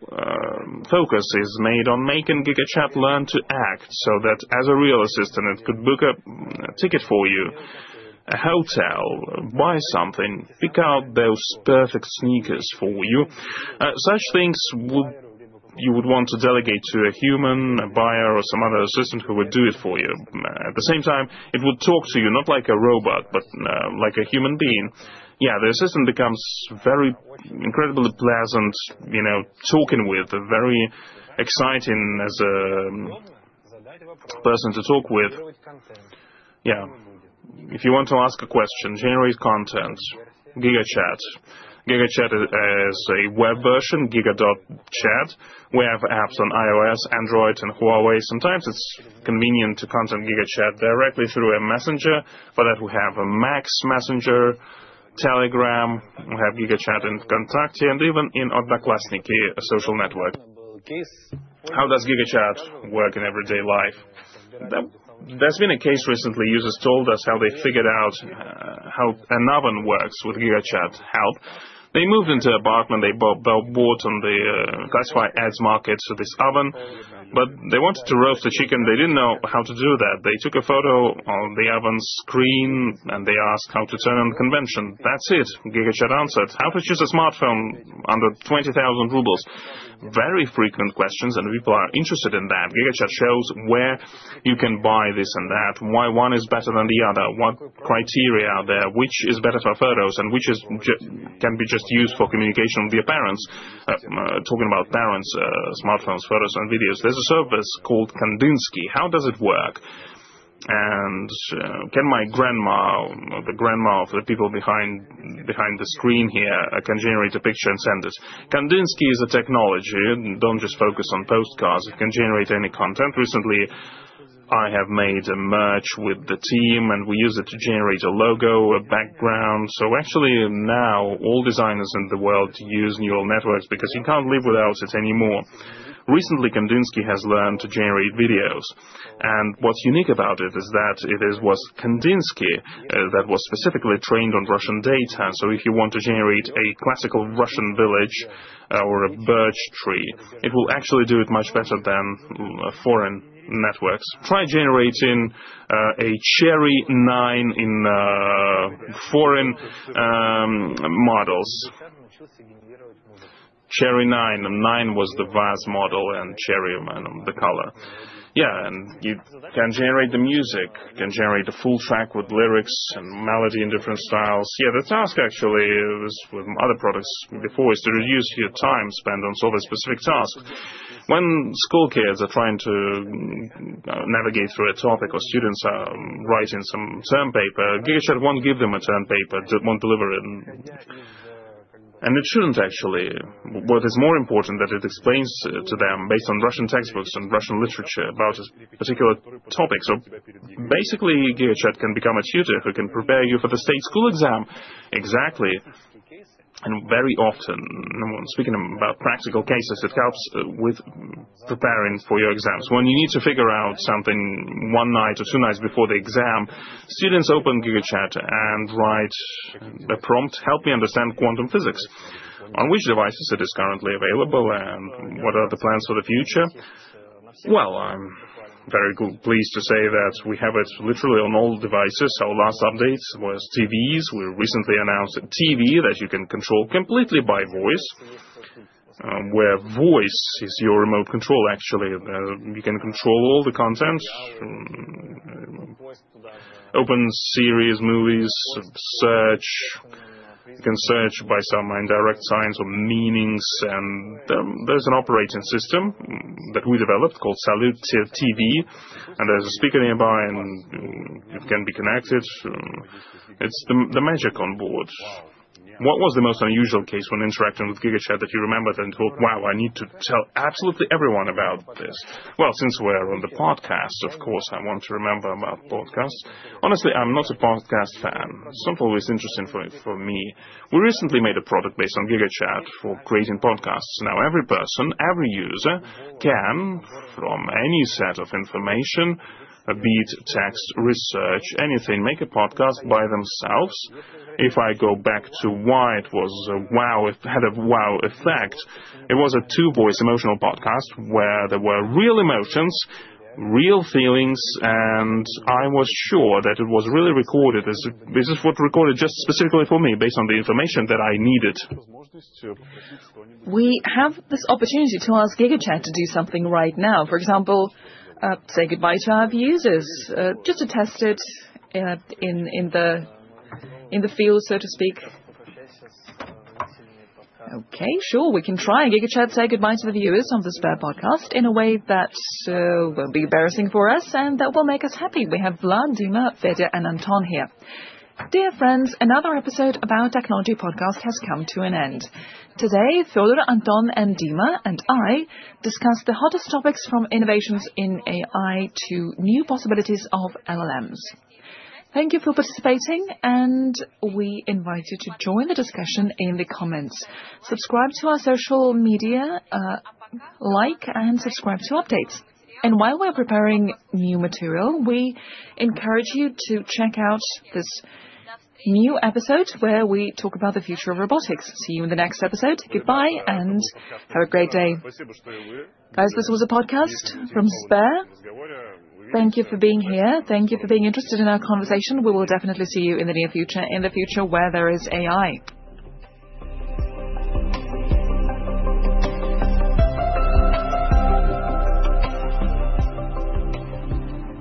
focus is made on making GigaChat learn to act so that as a real assistant, it could book a ticket for you, a hotel, buy something, pick out those perfect sneakers for you. Such things you would want to delegate to a human, a buyer, or some other assistant who would do it for you. At the same time, it would talk to you, not like a robot, but like a human being. Yeah, the assistant becomes very incredibly pleasant, you know, talking with, very exciting as a person to talk with. Yeah, if you want to ask a question, generate content, GigaChat. GigaChat is a web version, Giga.Chat. We have apps on iOS, Android, and Huawei. Sometimes it's convenient to contact GigaChat directly through a Messenger. For that, we have a VK Messenger, Telegram. We have GigaChat in VKontakte and even in Odnoklassniki, a social network. How does GigaChat work in everyday life? There's been a case recently. Users told us how they figured out how an oven works with GigaChat help. They moved into an apartment. They bought on the classified ads market this oven, but they wanted to roast a chicken. They didn't know how to do that. They took a photo of the oven screen, and they asked how to turn on the convection. That's it. GigaChat answered. How to choose a smartphone under 20,000 rubles? Very frequent questions, and people are interested in that. GigaChat shows where you can buy this and that, why one is better than the other, what criteria are there, which is better for photos, and which can be just used for communication with the parents. Talking about parents, smartphones, photos, and videos, there's a service called Kandinsky. How does it work? And can my grandma, the grandma of the people behind the screen here, can generate a picture and send it? Kandinsky is a technology. Don't just focus on postcards. It can generate any content. Recently, I have made a merch with the team, and we use it to generate a logo, a background. So actually, now all designers in the world use neural networks because you can't live without it anymore. Recently, Kandinsky has learned to generate videos. And what's unique about it is that it is Kandinsky that was specifically trained on Russian data. So if you want to generate a classical Russian village or a birch tree, it will actually do it much better than foreign networks. Try generating a Cherry 9 in foreign models. Cherry 9. 9 was the VAZ model and Cherry the color. Yeah, and you can generate the music, can generate a full track with lyrics and melody in different styles. Yeah, the task actually was with other products before is to reduce your time spent on solving a specific task. When school kids are trying to navigate through a topic or students are writing some term paper, GigaChat won't give them a term paper, won't deliver it. And it shouldn't actually. What is more important is that it explains to them based on Russian textbooks and Russian literature about a particular topic. So basically, GigaChat can become a tutor who can prepare you for the state school exam. Exactly. And very often, speaking about practical cases, it helps with preparing for your exams. When you need to figure out something one night or two nights before the exam, students open GigaChat and write a prompt, "Help me understand quantum physics." On which devices it is currently available and what are the plans for the future? Well, I'm very pleased to say that we have it literally on all devices. Our last update was TVs. We recently announced a TV that you can control completely by voice, where voice is your remote control, actually. You can control all the content, open series, movies, search. You can search by some indirect signs or meanings. And there's an operating system that we developed called Salute TV. And there's a speaker nearby, and it can be connected. It's the magic on board. What was the most unusual case when interacting with GigaChat that you remembered and thought, "Wow, I need to tell absolutely everyone about this"? Well, since we're on the podcast, of course, I want to remember about podcasts. Honestly, I'm not a podcast fan. It's not always interesting for me. We recently made a product based on GigaChat for creating podcasts. Now, every person, every user can, from any set of information, a beat, text, research, anything, make a podcast by themselves. If I go back to why it was a wow, it had a wow effect. It was a two-voice emotional podcast where there were real emotions, real feelings, and I was sure that it was really recorded. This is what recorded just specifically for me, based on the information that I needed. We have this opportunity to ask GigaChat to do something right now. For example, say goodbye to our viewers, just to test it in the field, so to speak. Okay, sure. We can try GigaChat to say goodbye to the viewers of the Sber Podcast in a way that won't be embarrassing for us and that will make us happy. We have Vlad, Dima, Fedya, and Anton here. Dear friends, another episode of our technology podcast has come to an end. Today, Fedor, Anton, and Dima, and I discussed the hottest topics from innovations in AI to new possibilities of LLMs. Thank you for participating, and we invite you to join the discussion in the comments. Subscribe to our social media, like, and subscribe to updates. And while we're preparing new material, we encourage you to check out this new episode where we talk about the future of robotics. See you in the next episode. Goodbye and have a great day. Guys, this was a podcast from Sber. Thank you for being here. Thank you for being interested in our conversation. We will definitely see you in the near future, in the future where there is AI.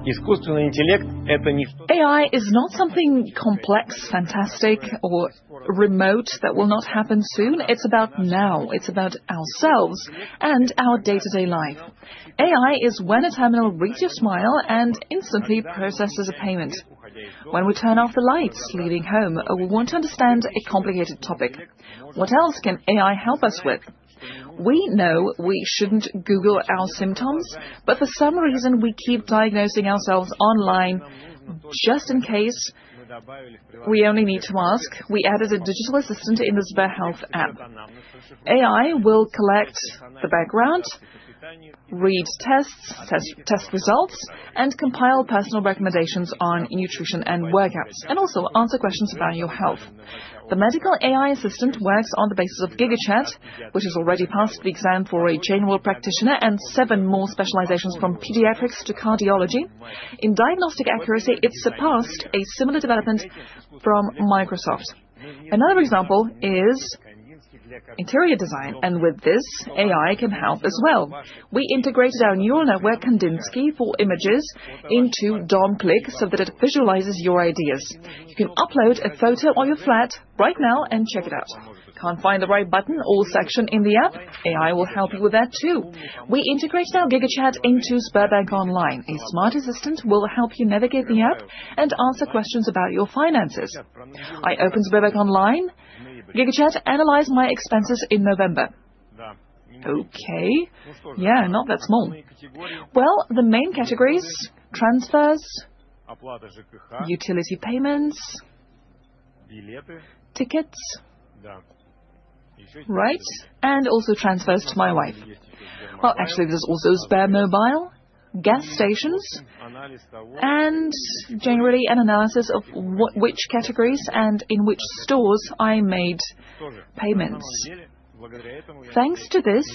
AI is not something complex, fantastic, or remote that will not happen soon. It's about now. It's about ourselves and our day-to-day life. AI is when a terminal reads your smile and instantly processes a payment. When we turn off the lights leaving home, we want to understand a complicated topic. What else can AI help us with? We know we shouldn't Google our symptoms, but for some reason, we keep diagnosing ourselves online just in case we only need to ask. We added a digital assistant in the SberHealth app. AI will collect the background, read tests, test results, and compile personal recommendations on nutrition and workouts, and also answer questions about your health. The medical AI assistant works on the basis of GigaChat, which has already passed the exam for a general practitioner and seven more specializations from pediatrics to cardiology. In diagnostic accuracy, it surpassed a similar development from Microsoft. Another example is interior design, and with this, AI can help as well. We integrated our neural network, Kandinsky, for images into DomClick so that it visualizes your ideas. You can upload a photo of your flat right now and check it out. Can't find the right button or section in the app? AI will help you with that too. We integrated our GigaChat Sberbank Online. A smart assistant will help you navigate the app and answer questions about your finances. I Sberbank Online. GigaChat analyzed my expenses in November. Okay. Yeah, not that small. Well, the main categories: transfers, utility payments, tickets, right? And also transfers to my wife. Well, actually, there's also SberMobile, gas stations, and generally an analysis of which categories and in which stores I made payments. Thanks to this,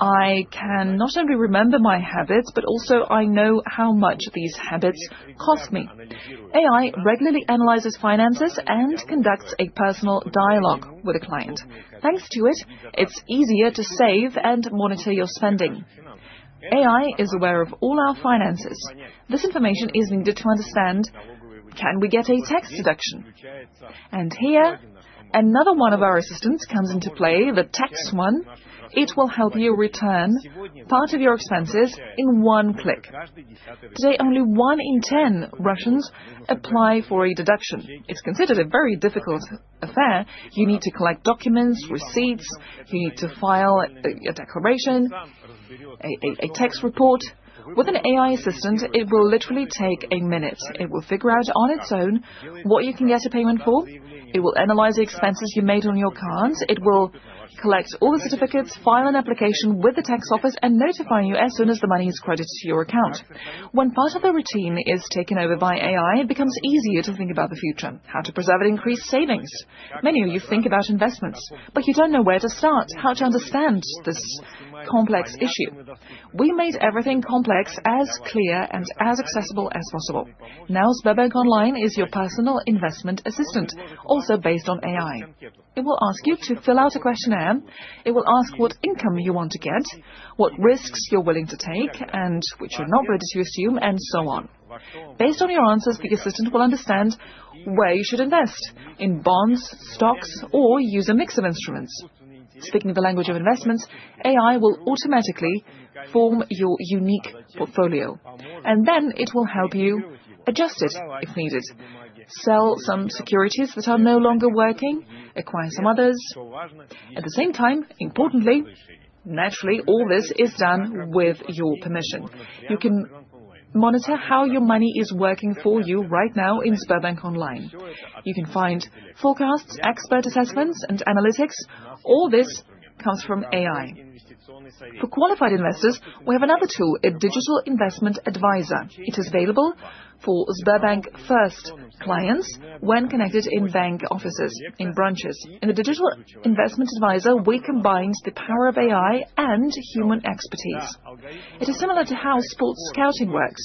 I can not only remember my habits, but also I know how much these habits cost me. AI regularly analyzes finances and conducts a personal dialogue with a client. Thanks to it, it's easier to save and monitor your spending. AI is aware of all our finances. This information is needed to understand, can we get a tax deduction? And here, another one of our assistants comes into play, the tax one. It will help you return part of your expenses in one click. Today, only one in ten Russians applies for a deduction. It's considered a very difficult affair. You need to collect documents, receipts. You need to file a declaration, a tax report. With an AI assistant, it will literally take a minute. It will figure out on its own what you can get a payment for. It will analyze the expenses you made on your card. It will collect all the certificates, file an application with the tax office, and notify you as soon as the money is credited to your account. When part of the routine is taken over by AI, it becomes easier to think about the future, how to preserve and increase Savings. Many of you think about investments, but you don't know where to start, how to understand this complex issue. We made everything complex, as clear, and as accessible as possible. Sberbank Online is your personal investment assistant, also based on AI. It will ask you to fill out a questionnaire. It will ask what income you want to get, what risks you're willing to take, and which you're not ready to assume, and so on. Based on your answers, the assistant will understand where you should invest, in bonds, stocks, or use a mix of instruments. Speaking of the language of investments, AI will automatically form your unique portfolio. And then it will help you adjust it if needed, sell some securities that are no longer working, acquire some others. At the same time, importantly, naturally, all this is done with your permission. You can monitor how your money is working for you right now Sberbank Online. You can find forecasts, expert assessments, and analytics. All this comes from AI. For qualified investors, we have another tool, a Digital Investment Advisor. It is available for Sberbank First clients when connected in bank offices, in branches. In the Digital Investment Advisor, we combined the power of AI and human expertise. It is similar to how sports scouting works.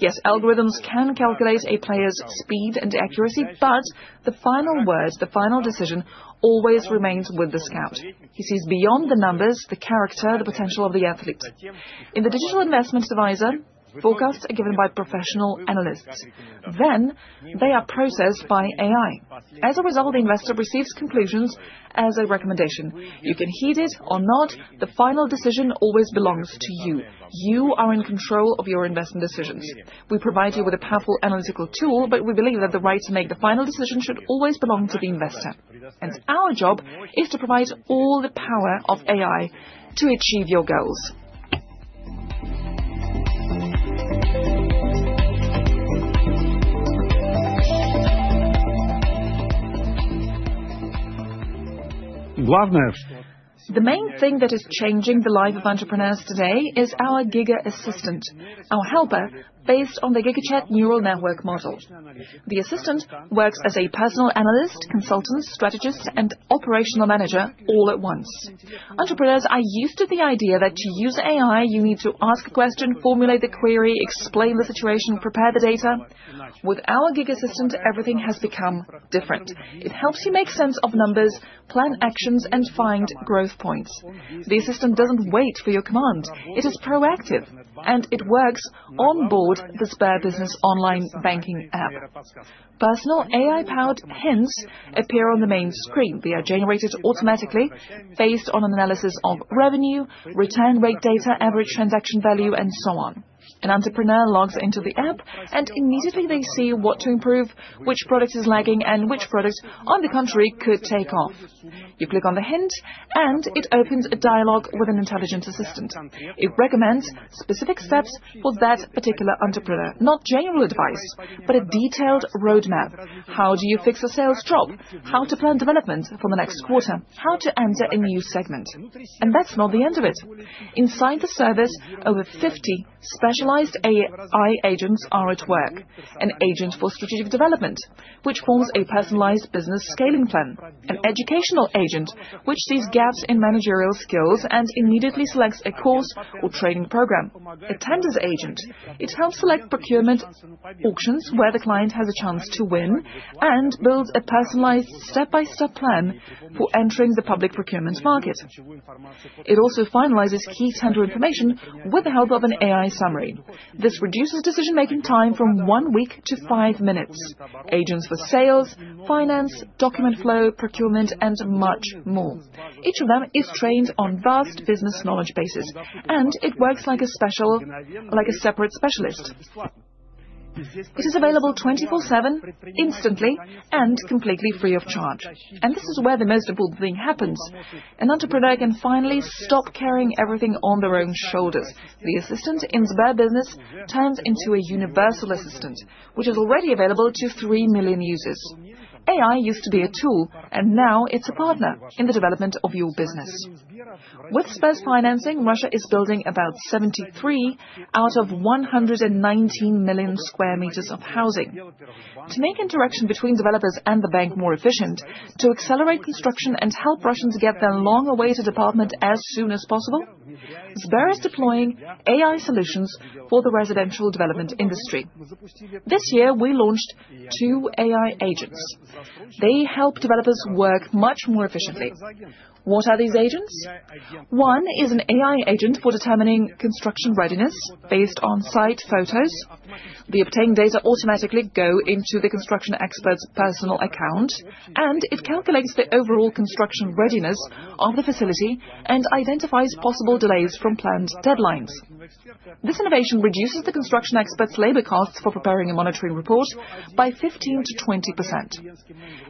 Yes, algorithms can calculate a player's speed and accuracy, but the final words, the final decision, always remains with the scout. He sees beyond the numbers, the character, the potential of the athlete. In the Digital Investment Advisor, forecasts are given by professional analysts, then they are processed by AI. As a result, the investor receives conclusions as a recommendation. You can heed it or not. The final decision always belongs to you. You are in control of your investment decisions. We provide you with a powerful analytical tool, but we believe that the right to make the final decision should always belong to the investor, and our job is to provide all the power of AI to achieve your goals. The main thing that is changing the life of entrepreneurs today is our GigaAssistant, our helper based on the GigaChat neural network model. The assistant works as a personal analyst, consultant, strategist, and operational manager all at once. Entrepreneurs are used to the idea that to use AI, you need to ask a question, formulate the query, explain the situation, prepare the data. With our GigaAssistant, everything has become different. It helps you make sense of numbers, plan actions, and find growth points. The assistant doesn't wait for your command. It is proactive, and it works on board the SberBusiness Online banking app. Personal AI-powered hints appear on the main screen. They are generated automatically based on an analysis of revenue, return rate data, average transaction value, and so on. An entrepreneur logs into the app, and immediately they see what to improve, which product is lagging, and which product on the country could take off. You click on the hint, and it opens a dialogue with an intelligent assistant. It recommends specific steps for that particular entrepreneur, not general advice, but a detailed roadmap. How do you fix a sales drop? How to plan development for the next quarter? How to enter a new segment? And that's not the end of it. Inside the service, over 50 specialized AI agents are at work. An agent for strategic development, which forms a personalized business scaling plan. An educational agent, which sees gaps in managerial skills and immediately selects a course or training program. A tenders agent, it helps select procurement auctions where the client has a chance to win and builds a personalized step-by-step plan for entering the public procurement market. It also finalizes key tender information with the help of an AI summary. This reduces decision-making time from one week to five minutes. Agents for sales, finance, document flow, procurement, and much more. Each of them is trained on vast business knowledge bases, and it works like a special, like a separate specialist. It is available 24/7, instantly, and completely free of charge, and this is where the most important thing happens. An entrepreneur can finally stop carrying everything on their own shoulders. The assistant in SberBusiness turns into a universal assistant, which is already available to three million users. AI used to be a tool, and now it's a partner in the development of your business. With Sber's financing, Russia is building about 73 out of 119 million square meters of housing. To make interaction between developers and the bank more efficient, to accelerate construction and help Russians get their long-awaited apartment as soon as possible, Sber is deploying AI solutions for the residential development industry. This year, we launched two AI agents. They help developers work much more efficiently. What are these agents? One is an AI agent for determining construction readiness based on site photos. The obtained data automatically go into the construction expert's personal account, and it calculates the overall construction readiness of the facility and identifies possible delays from planned deadlines. This innovation reduces the construction expert's labor costs for preparing a monitoring report by 15%-20%.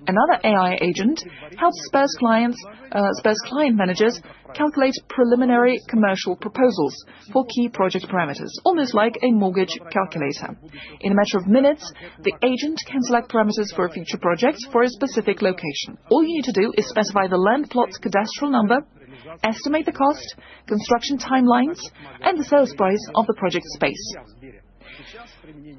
Another AI agent helps Sber's client managers calculate preliminary commercial proposals for key project parameters, almost like a mortgage calculator. In a matter of minutes, the agent can select parameters for a future project for a specific location. All you need to do is specify the land plot's cadastral number, estimate the cost, construction timelines, and the sales price of the project space.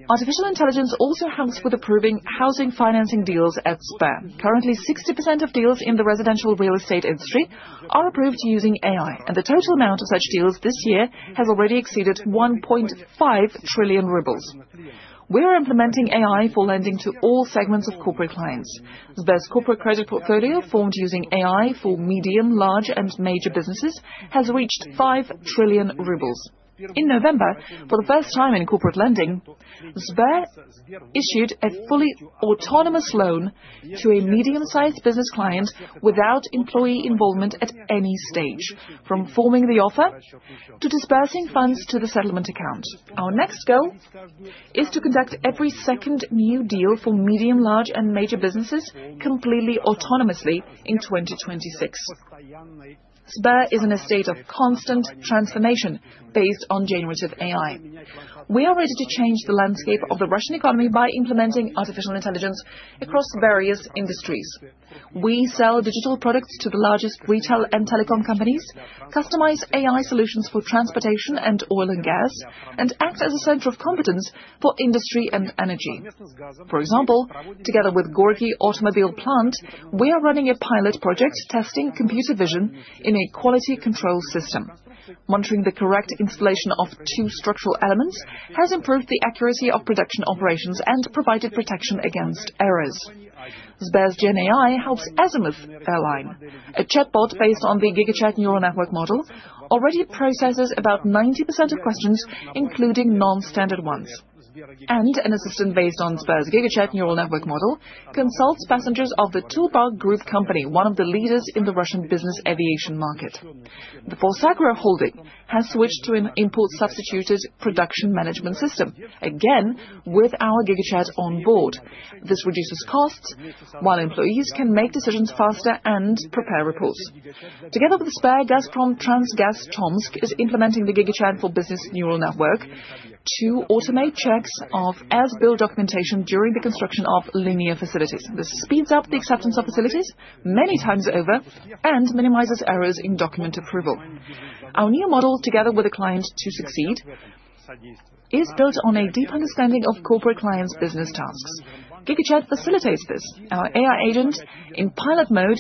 Artificial intelligence also helps with approving housing financing deals at Sber. Currently, 60% of deals in the residential real estate industry are approved using AI, and the total amount of such deals this year has already exceeded 1.5 trillion rubles. We are implementing AI for lending to all segments of corporate clients. Sber's corporate credit portfolio, formed using AI for medium, large, and major businesses, has reached 5 trillion rubles. In November, for the first time in corporate lending, Sber issued a fully autonomous loan to a medium-sized business client without employee involvement at any stage, from forming the offer to disbursing funds to the settlement account. Our next goal is to conduct every second new deal for medium, large, and major businesses completely autonomously in 2026. Sber is in a state of constant transformation based on generative AI. We are ready to change the landscape of the Russian economy by implementing artificial intelligence across various industries. We sell digital products to the largest retail and telecom companies, customize AI solutions for transportation and oil and gas, and act as a center of competence for industry and energy. For example, together with Gorky Automobile Plant, we are running a pilot project testing computer vision in a quality control system. Monitoring the correct installation of two structural elements has improved the accuracy of production operations and provided protection against errors. Sber's GenAI helps Azimuth Airlines. A chatbot based on the GigaChat neural network model already processes about 90% of questions, including non-standard ones, and an assistant based on Sber's GigaChat neural network model consults passengers of the Tulpar Group company, one of the leaders in the Russian business aviation market. The PhosAgro has switched to an import-substituted production management system, again with our GigaChat on board. This reduces costs while employees can make decisions faster and prepare reports. Together with Sber, Gazprom Transgaz Tomsk is implementing the GigaChat for Business neural network to automate checks of as-built documentation during the construction of linear facilities. This speeds up the acceptance of facilities many times over and minimizes errors in document approval. Our new model, together with a client to succeed, is built on a deep understanding of corporate clients' business tasks. GigaChat facilitates this. Our AI agents in pilot mode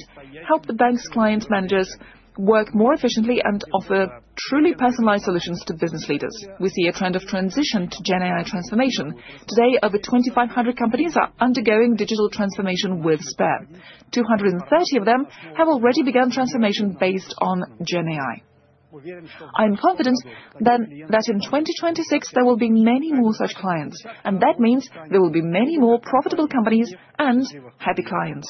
help the bank's clients managers work more efficiently and offer truly personalized solutions to business leaders. We see a trend of transition to GenAI transformation. Today, over 2,500 companies are undergoing digital transformation with Sber. 230 of them have already begun transformation based on GenAI. I am confident that in 2026 there will be many more such clients, and that means there will be many more profitable companies and happy clients.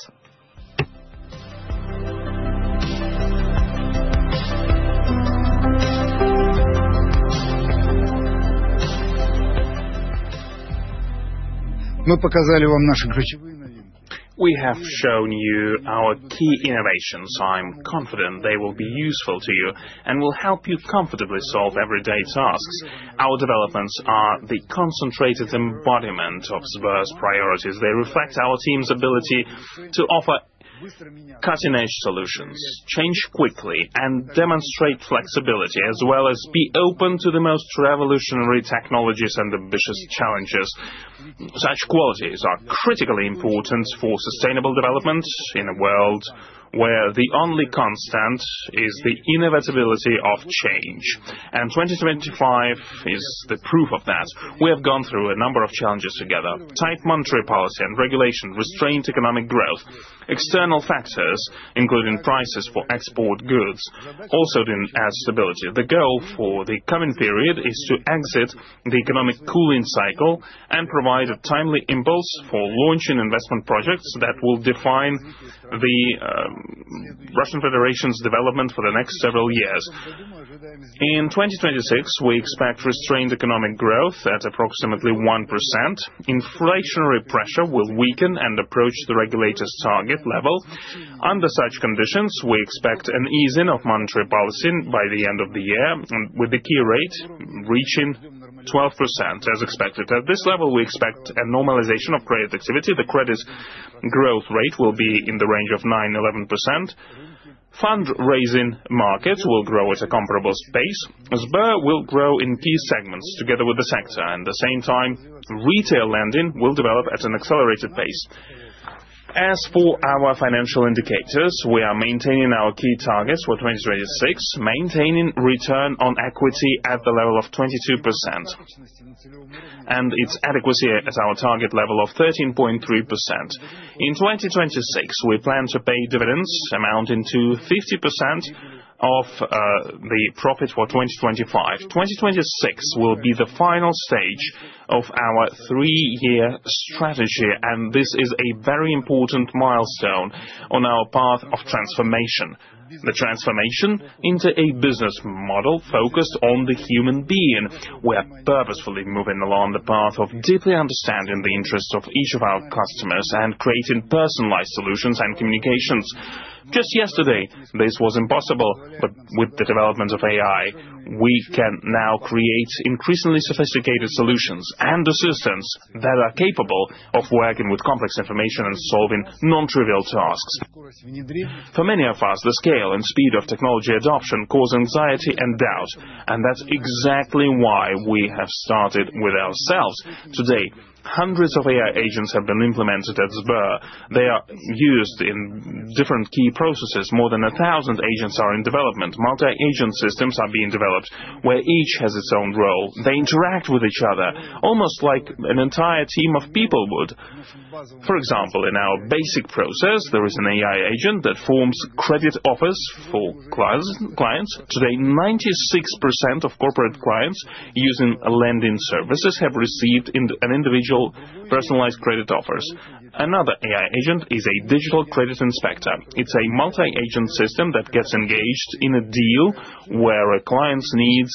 We have shown you our key innovations. I am confident they will be useful to you and will help you comfortably solve everyday tasks. Our developments are the concentrated embodiment of Sber's priorities. They reflect our team's ability to offer cutting-edge solutions, change quickly, and demonstrate flexibility, as well as be open to the most revolutionary technologies and ambitious challenges. Such qualities are critically important for sustainable development in a world where the only constant is the inevitability of change. And 2025 is the proof of that. We have gone through a number of challenges together: tight monetary policy and regulation, restrained economic growth, external factors, including prices for export goods, also instability. The goal for the coming period is to exit the economic cooling cycle and provide a timely impulse for launching investment projects that will define the Russian Federation's development for the next several years. In 2026, we expect restrained economic growth at approximately 1%. Inflationary pressure will weaken and approach the regulator's target level. Under such conditions, we expect an easing of monetary policy by the end of the year, with the key rate reaching 12%, as expected. At this level, we expect a normalization of credit activity. The credit growth rate will be in the range of 9%-11%. Fund-raising markets will grow at a comparable pace. Sber will grow in key segments together with the sector. At the same time, retail lending will develop at an accelerated pace. As for our financial indicators, we are maintaining our key targets for 2026, maintaining return on equity at the level of 22% and its adequacy at our target level of 13.3%. In 2026, we plan to pay dividends amounting to 50% of the profit for 2025. 2026 will be the final stage of our three-year strategy, and this is a very important milestone on our path of transformation. The transformation into a business model focused on the human being. We are purposefully moving along the path of deeply understanding the interests of each of our customers and creating personalized solutions and communications. Just yesterday, this was impossible, but with the development of AI, we can now create increasingly sophisticated solutions and assistants that are capable of working with complex information and solving non-trivial tasks. For many of us, the scale and speed of technology adoption cause anxiety and doubt, and that's exactly why we have started with ourselves. Today, hundreds of AI agents have been implemented at Sber. They are used in different key processes. More than a thousand agents are in development. Multi-agent systems are being developed, where each has its own role. They interact with each other, almost like an entire team of people would. For example, in our basic process, there is an AI agent that forms credit offers for clients. Today, 96% of corporate clients using lending services have received an individual personalized credit offer. Another AI agent is a digital credit inspector. It's a multi-agent system that gets engaged in a deal where a client's needs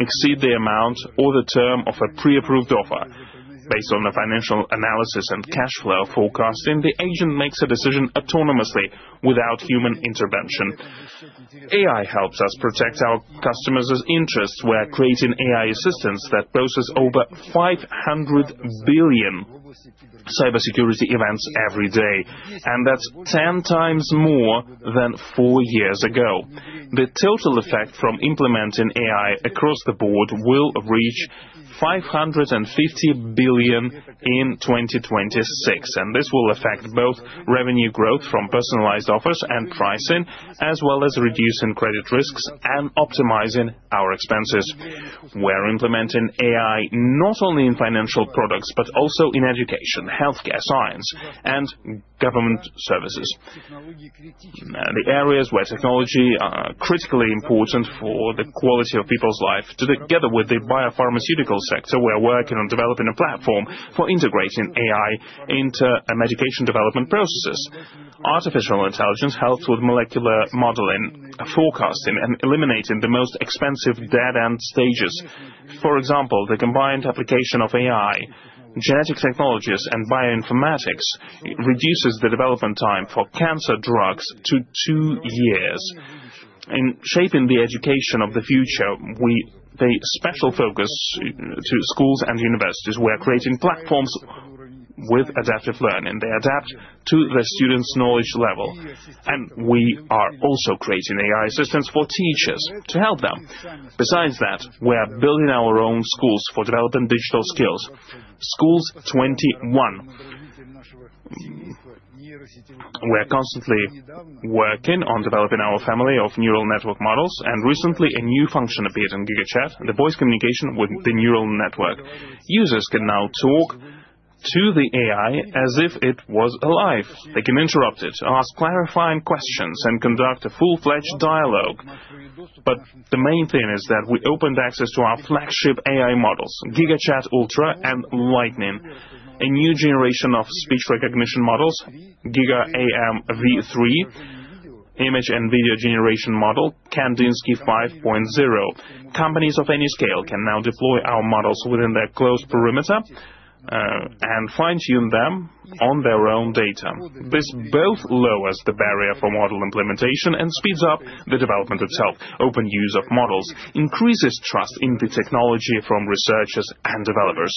exceed the amount or the term of a pre-approved offer. Based on the financial analysis and cash flow forecasting, the agent makes a decision autonomously, without human intervention. AI helps us protect our customers' interests. We are creating AI assistants that process over 500 billion cybersecurity events every day, and that's 10x more than four years ago. The total effect from implementing AI across the board will reach 550 billion in 2026, and this will affect both revenue growth from personalized offers and pricing, as well as reducing credit risks and optimizing our expenses. We are implementing AI not only in financial products, but also in education, healthcare, science, and government services. The areas where technology is critically important for the quality of people's lives. Together with the biopharmaceutical sector, we are working on developing a platform for integrating AI into medication development processes. Artificial intelligence helps with molecular modeling, forecasting, and eliminating the most expensive dead-end stages. For example, the combined application of AI, genetic technologies, and bioinformatics reduces the development time for cancer drugs to two years. In shaping the education of the future, we pay special focus to schools and universities. We are creating platforms with adaptive learning. They adapt to the student's knowledge level, and we are also creating AI assistants for teachers to help them. Besides that, we are building our own schools for developing digital skills. School 21. We are constantly working on developing our family of neural network models, and recently a new function appeared in GigaChat: the voice communication with the neural network. Users can now talk to the AI as if it was alive. They can interrupt it, ask clarifying questions, and conduct a full-fledged dialogue. But the main thing is that we opened access to our flagship AI models: GigaChat Ultra and Lite, a new generation of speech recognition models: GigaAM-v3, image and video generation model: Kandinsky 5.0. Companies of any scale can now deploy our models within their close perimeter and fine-tune them on their own data. This both lowers the barrier for model implementation and speeds up the development itself. Open use of models increases trust in the technology from researchers and developers.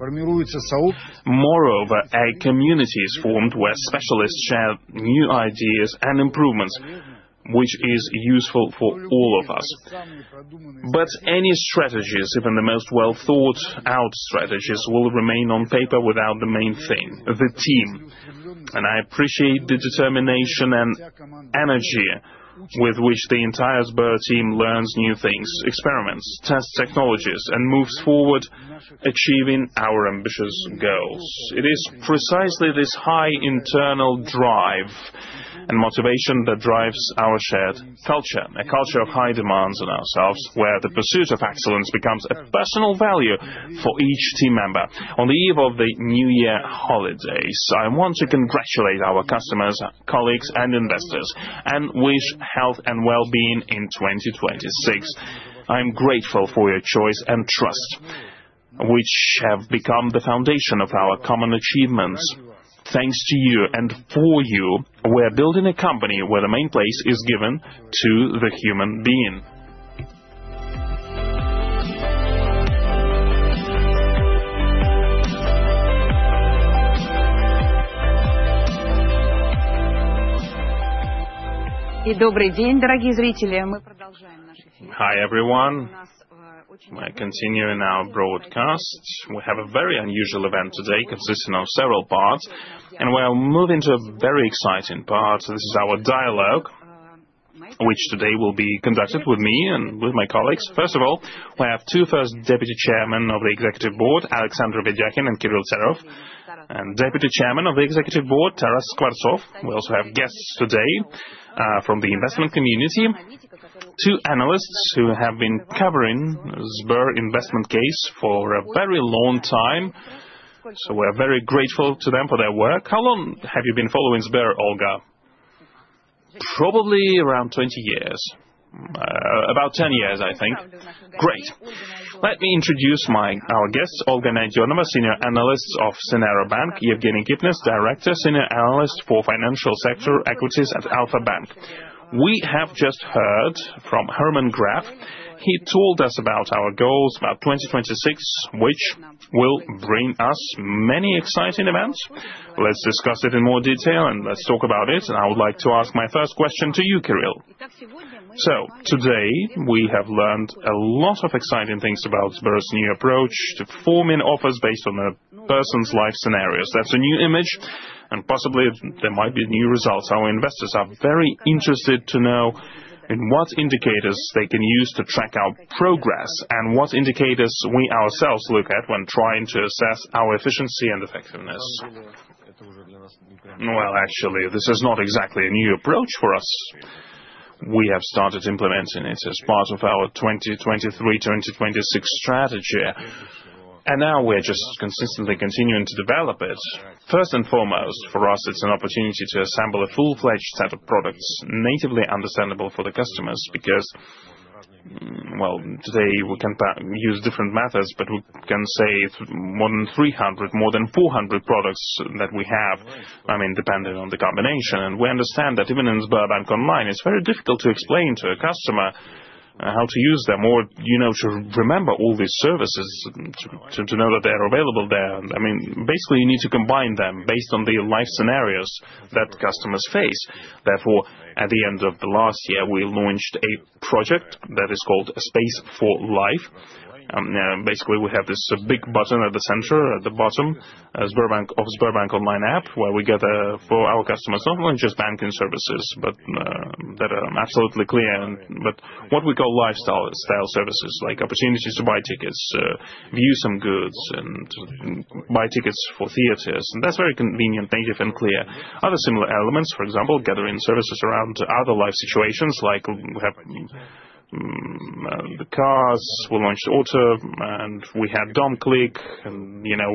Moreover, a community is formed where specialists share new ideas and improvements, which is useful for all of us. But any strategies, even the most well-thought-out strategies, will remain on paper without the main thing: the team. And I appreciate the determination and energy with which the entire Sber team learns new things, experiments, tests technologies, and moves forward, achieving our ambitious goals. It is precisely this high internal drive and motivation that drives our shared culture: a culture of high demands on ourselves, where the pursuit of excellence becomes a personal value for each team member. On the eve of the New Year holidays, I want to congratulate our customers, colleagues, and investors, and wish health and well-being in 2026. I am grateful for your choice and trust, which have become the foundation of our common achievements. Thanks to you, and for you, we are building a company where the main place is given to the human being. Hi everyone, I continue in our broadcast. We have a very unusual event today consisting of several parts, and we are moving to a very exciting part. This is our dialogue, which today will be conducted with me and with my colleagues. First of all, we have two First Deputy Chairmen of the Executive Board: Alexander Vedyakhin and Kirill Tsarev. And Deputy Chairman of the Executive Board: Taras Skvortsov. We also have guests today from the investment community, two analysts who have been covering the Sber investment case for a very long time, so we are very grateful to them for their work. How long have you been following Sber, Olga? Probably around 20 years. About 10 years, I think. Great. Let me introduce our guests: Olga Naydenova, Senior Analyst of Sinara Bank. Evgeny Kipnis, Director, Senior Analyst for financial sector equities at Alfa-Bank. We have just heard from Herman Gref. He told us about our goals about 2026, which will bring us many exciting events. Let's discuss it in more detail, and let's talk about it. And I would like to ask my first question to you, Kirill. Today we have learned a lot of exciting things about Sber's new approach to forming offers based on a person's life scenarios. That's a new image, and possibly there might be new results. Our investors are very interested to know what indicators they can use to track our progress and what indicators we ourselves look at when trying to assess our efficiency and effectiveness. Actually, this is not exactly a new approach for us. We have started implementing it as part of our 2023-2026 strategy, and now we are just consistently continuing to develop it. First and foremost, for us, it's an opportunity to assemble a full-fledged set of products natively understandable for the customers because, well, today we can use different methods, but we can save more than 300, more than 400 products that we have, I mean, depending on the combination. We understand that even Sberbank Online, it's very difficult to explain to a customer how to use them or, you know, to remember all these services to know that they are available there. I mean, basically, you need to combine them based on the life scenarios that customers face. Therefore, at the end of the last year, we launched a project that is called Space for Life. Basically, we have this big button at the center, at the Sberbank Online app, where we gather for our customers not only just banking services, but that are absolutely clear, but what we call lifestyle services, like opportunities to buy tickets, view some goods, and buy tickets for theaters. That's very convenient, native and clear. Other similar elements, for example, gathering services around other life situations, like we have the cars, we launched Auto, and we had DomClick, and you know,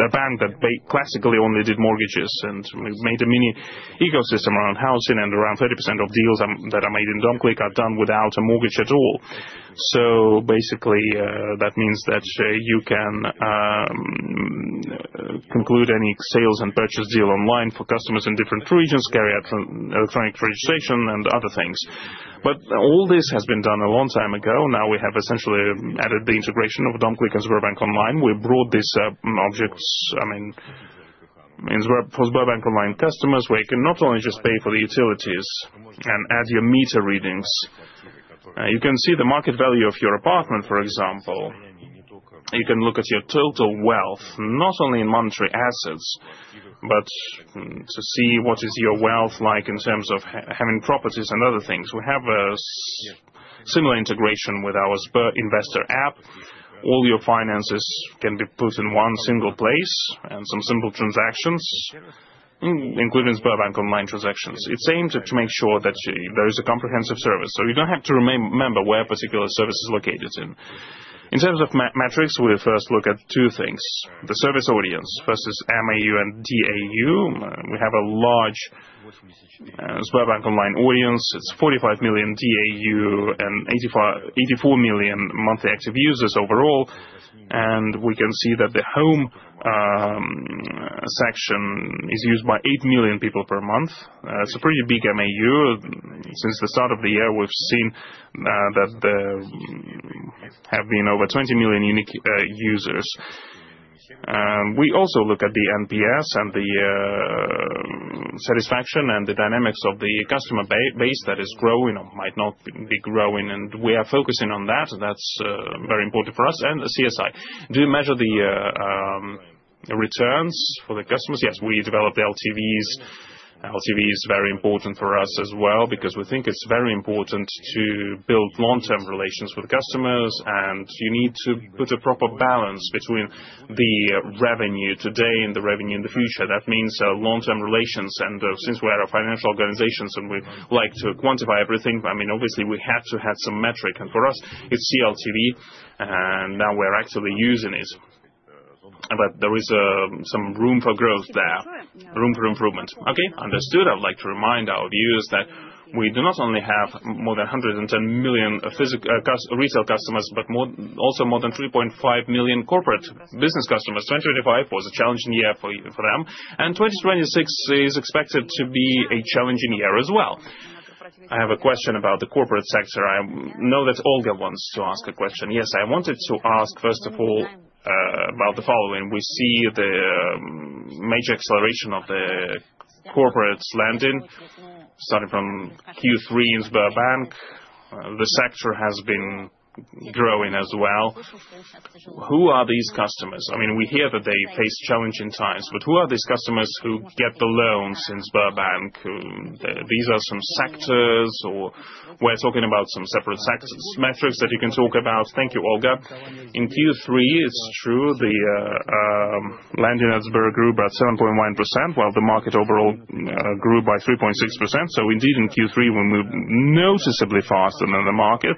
the bank that classically only did mortgages, and we made a mini ecosystem around housing, and around 30% of deals that are made in DomClick are done without a mortgage at all. So basically, that means that you can conclude any sales and purchase deal online for customers in different regions, carry out electronic registration, and other things. But all this has been done a long time ago. Now we have essentially added the integration of DomClick Sberbank Online. We brought these objects, I mean, Sberbank Online customers, where you can not only just pay for the utilities and add your meter readings. You can see the market value of your apartment, for example. You can look at your total wealth, not only in monetary assets, but to see what is your wealth like in terms of having properties and other things. We have a similar integration with our SberInvestor app. All your finances can be put in one single place and some simple transactions, Sberbank Online transactions. It's aimed to make sure that there is a comprehensive service, so you don't have to remember where a particular service is located. In terms of metrics, we first look at two things: the service audience. First is MAU and DAU. We have a Sberbank Online audience. It's 45 million DAU and 84 million monthly active users overall, and we can see that the Home section is used by eight million people per month. It's a pretty big MAU. Since the start of the year, we've seen that there have been over 20 million unique users. We also look at the NPS and the satisfaction and the dynamics of the customer base that is growing or might not be growing, and we are focusing on that. That's very important for us, and the CSI. Do you measure the returns for the customers? Yes, we develop the LTVs. LTV is very important for us as well because we think it's very important to build long-term relations with customers, and you need to put a proper balance between the revenue today and the revenue in the future. That means long-term relations, and since we are a financial organization and we like to quantify everything, I mean, obviously, we had to have some metric, and for us, it's CLTV, and now we're actually using it. But there is some room for growth there, room for improvement. Okay, understood. I'd like to remind our viewers that we do not only have more than 110 million retail customers, but also more than 3.5 million corporate business customers. 2025 was a challenging year for them, and 2026 is expected to be a challenging year as well. I have a question about the corporate sector. I know that Olga wants to ask a question. Yes, I wanted to ask, first of all, about the following. We see the major acceleration of the corporate lending starting from Q3 in Sberbank. The sector has been growing as well. Who are these customers? I mean, we hear that they face challenging times, but who are these customers who get the loans in Sberbank? These are some sectors, or we're talking about some separate sectors. Metrics that you can talk about. Thank you, Olga. In Q3, it's true, the lending at Sber grew by 7.1%, while the market overall grew by 3.6%. So indeed, in Q3, we moved noticeably faster than the market.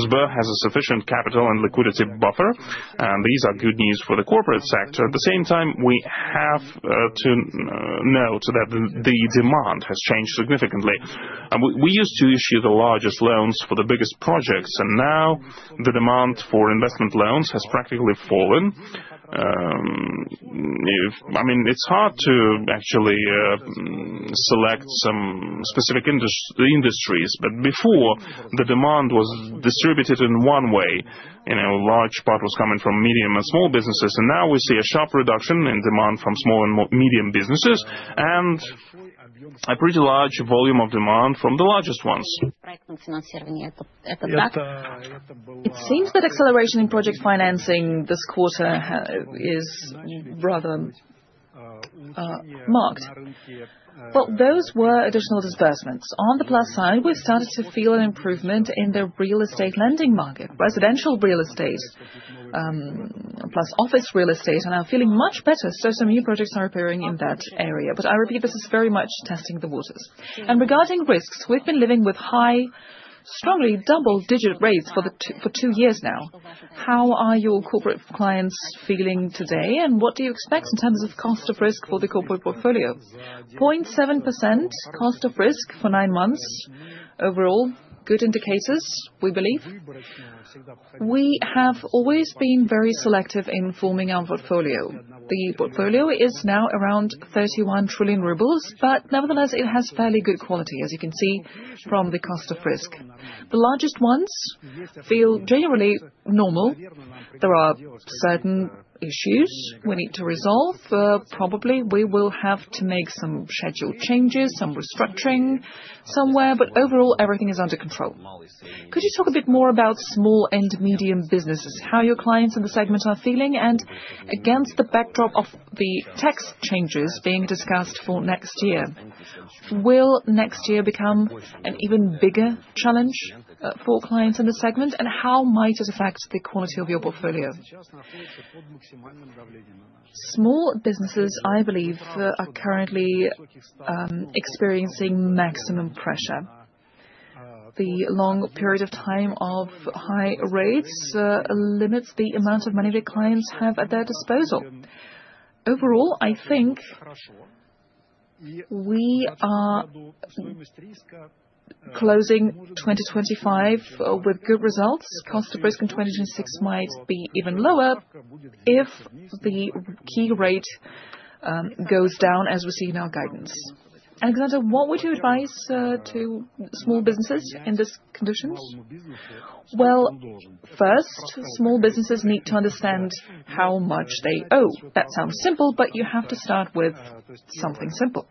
Sber has a sufficient capital and liquidity buffer, and these are good news for the corporate sector. At the same time, we have to note that the demand has changed significantly. We used to issue the largest loans for the biggest projects, and now the demand for investment loans has practically fallen. I mean, it's hard to actually select some specific industries, but before, the demand was distributed in one way. A large part was coming from medium and small businesses, and now we see a sharp reduction in demand from small and medium businesses and a pretty large volume of demand from the largest ones. It seems that acceleration in project financing this quarter is rather marked. But those were additional disbursements. On the plus side, we've started to feel an improvement in the real estate lending market. Residential real estate plus office real estate are now feeling much better, so some new projects are appearing in that area. But I repeat, this is very much testing the waters. And regarding risks, we've been living with high, strongly double-digit rates for two years now. How are your corporate clients feeling today, and what do you expect in terms of cost of risk for the corporate portfolio? 0.7% cost of risk for nine months. Overall, good indicators, we believe. We have always been very selective in forming our portfolio. The portfolio is now around 31 trillion rubles, but nevertheless, it has fairly good quality, as you can see from the cost of risk. The largest ones feel generally normal. There are certain issues we need to resolve. Probably, we will have to make some schedule changes, some restructuring somewhere, but overall, everything is under control. Could you talk a bit more about small and medium businesses, how your clients in the segment are feeling, and against the backdrop of the tax changes being discussed for next year? Will next year become an even bigger challenge for clients in the segment, and how might it affect the quality of your portfolio? Small businesses, I believe, are currently experiencing maximum pressure. The long period of time of high rates limits the amount of money that clients have at their disposal. Overall, I think we are closing 2025 with good results. Cost of risk in 2026 might be even lower if the key rate goes down, as we see in our guidance. Alexander, what would you advise to small businesses in these conditions? Well, first, small businesses need to understand how much they owe. That sounds simple, but you have to start with something simple.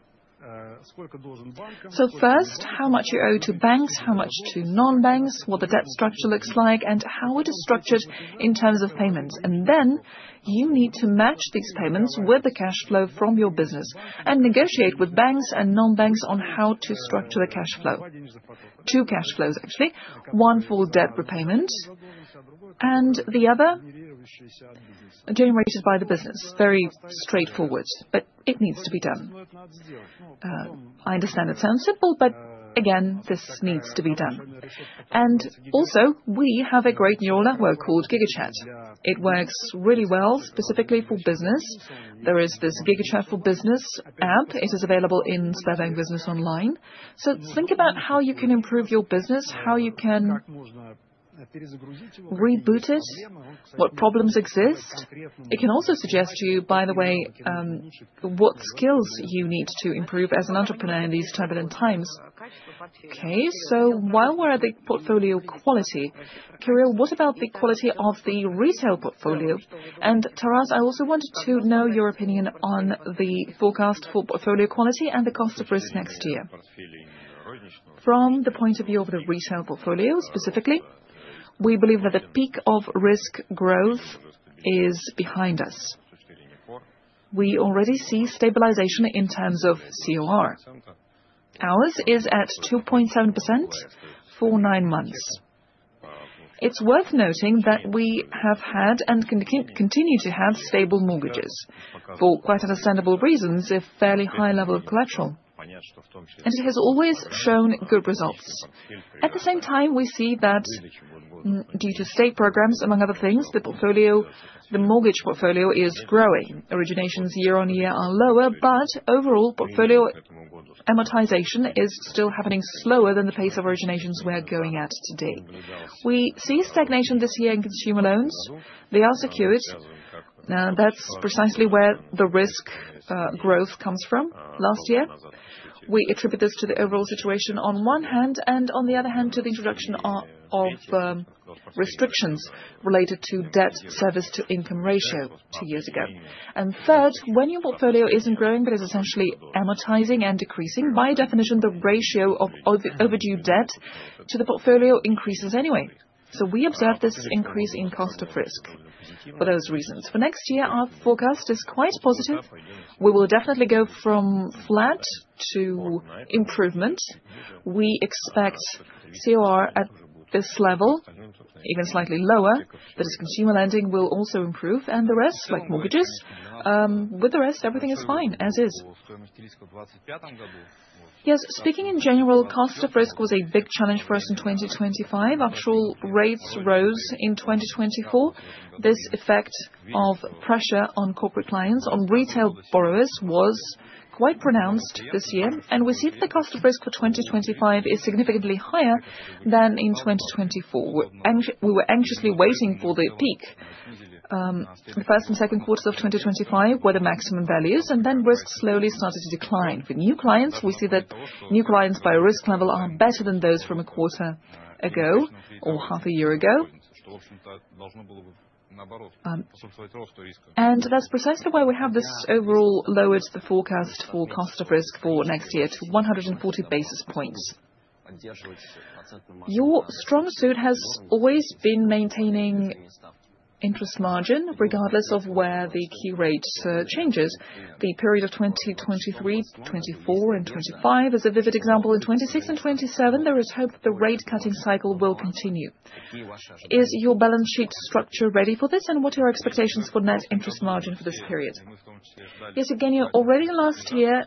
So first, how much you owe to banks, how much to non-banks, what the debt structure looks like, and how it is structured in terms of payments. And then you need to match these payments with the cash flow from your business and negotiate with banks and non-banks on how to structure the cash flow. Two cash flows, actually. One for debt repayment and the other generated by the business. Very straightforward, but it needs to be done. I understand it sounds simple, but again, this needs to be done. And also, we have a great neural network called GigaChat. It works really well, specifically for business. There is this GigaChat for Business app. It is available in SberBusiness Online. So think about how you can improve your business, how you can reboot it, what problems exist. It can also suggest to you, by the way, what skills you need to improve as an entrepreneur in these turbulent times. Okay, so while we're at the portfolio quality, Kirill, what about the quality of the retail portfolio? And Taras, I also wanted to know your opinion on the forecast for portfolio quality and the cost of risk next year. From the point of view of the retail portfolio specifically, we believe that the peak of risk growth is behind us. We already see stabilization in terms of COR. Ours is at 2.7% for nine months. It's worth noting that we have had and continue to have stable mortgages for quite understandable reasons with a fairly high level of collateral. And it has always shown good results. At the same time, we see that due to state programs, among other things, the mortgage portfolio is growing. Originations year-on-year are lower, but overall portfolio amortization is still happening slower than the pace of originations we are going at today. We see stagnation this year in consumer loans. They are secured. That's precisely where the risk growth comes from last year. We attribute this to the overall situation on one hand and on the other hand to the introduction of restrictions related to debt service to income ratio two years ago, and third, when your portfolio isn't growing but is essentially amortizing and decreasing, by definition, the ratio of overdue debt to the portfolio increases anyway, so we observe this increase in cost of risk for those reasons. For next year, our forecast is quite positive. We will definitely go from flat to improvement. We expect COR at this level, even slightly lower, that is, consumer lending will also improve, and the rest, like mortgages. With the rest, everything is fine as is. Yes, speaking in general, cost of risk was a big challenge for us in 2025. Actual rates rose in 2024. This effect of pressure on corporate clients, on retail borrowers, was quite pronounced this year, and we see that the cost of risk for 2025 is significantly higher than in 2024. We were anxiously waiting for the peak. The first and second quarters of 2025 were the maximum values, and then risk slowly started to decline. For new clients, we see that new clients by risk level are better than those from a quarter ago or half a year ago. That's precisely why we have thus overall lowered the forecast for cost of risk for next year to 140 basis points. Your strong suit has always been maintaining interest margin regardless of where the key rate changes. The period of 2023, 2024, and 2025 is a vivid example. In 2026 and 2027, there is hope that the rate-cutting cycle will continue. Is your balance sheet structure ready for this, and what are your expectations for net interest margin for this period? Yes, Evgeny, already last year,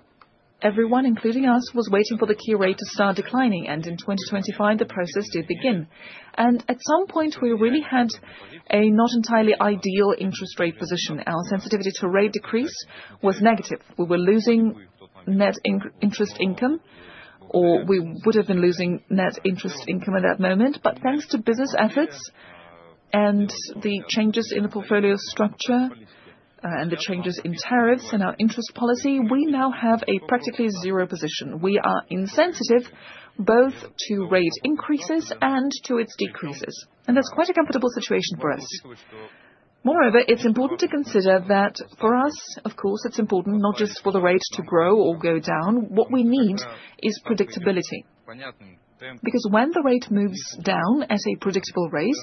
everyone, including us, was waiting for the key rate to start declining, and in 2025, the process did begin. And at some point, we really had a not entirely ideal interest rate position. Our sensitivity to rate decrease was negative. We were losing net interest income, or we would have been losing net interest income at that moment. But thanks to business efforts and the changes in the portfolio structure and the changes in tariffs and our interest policy, we now have a practically zero position. We are insensitive both to rate increases and to its decreases. And that's quite a comfortable situation for us. Moreover, it's important to consider that for us, of course, it's important not just for the rate to grow or go down. What we need is predictability. Because when the rate moves down at a predictable rate,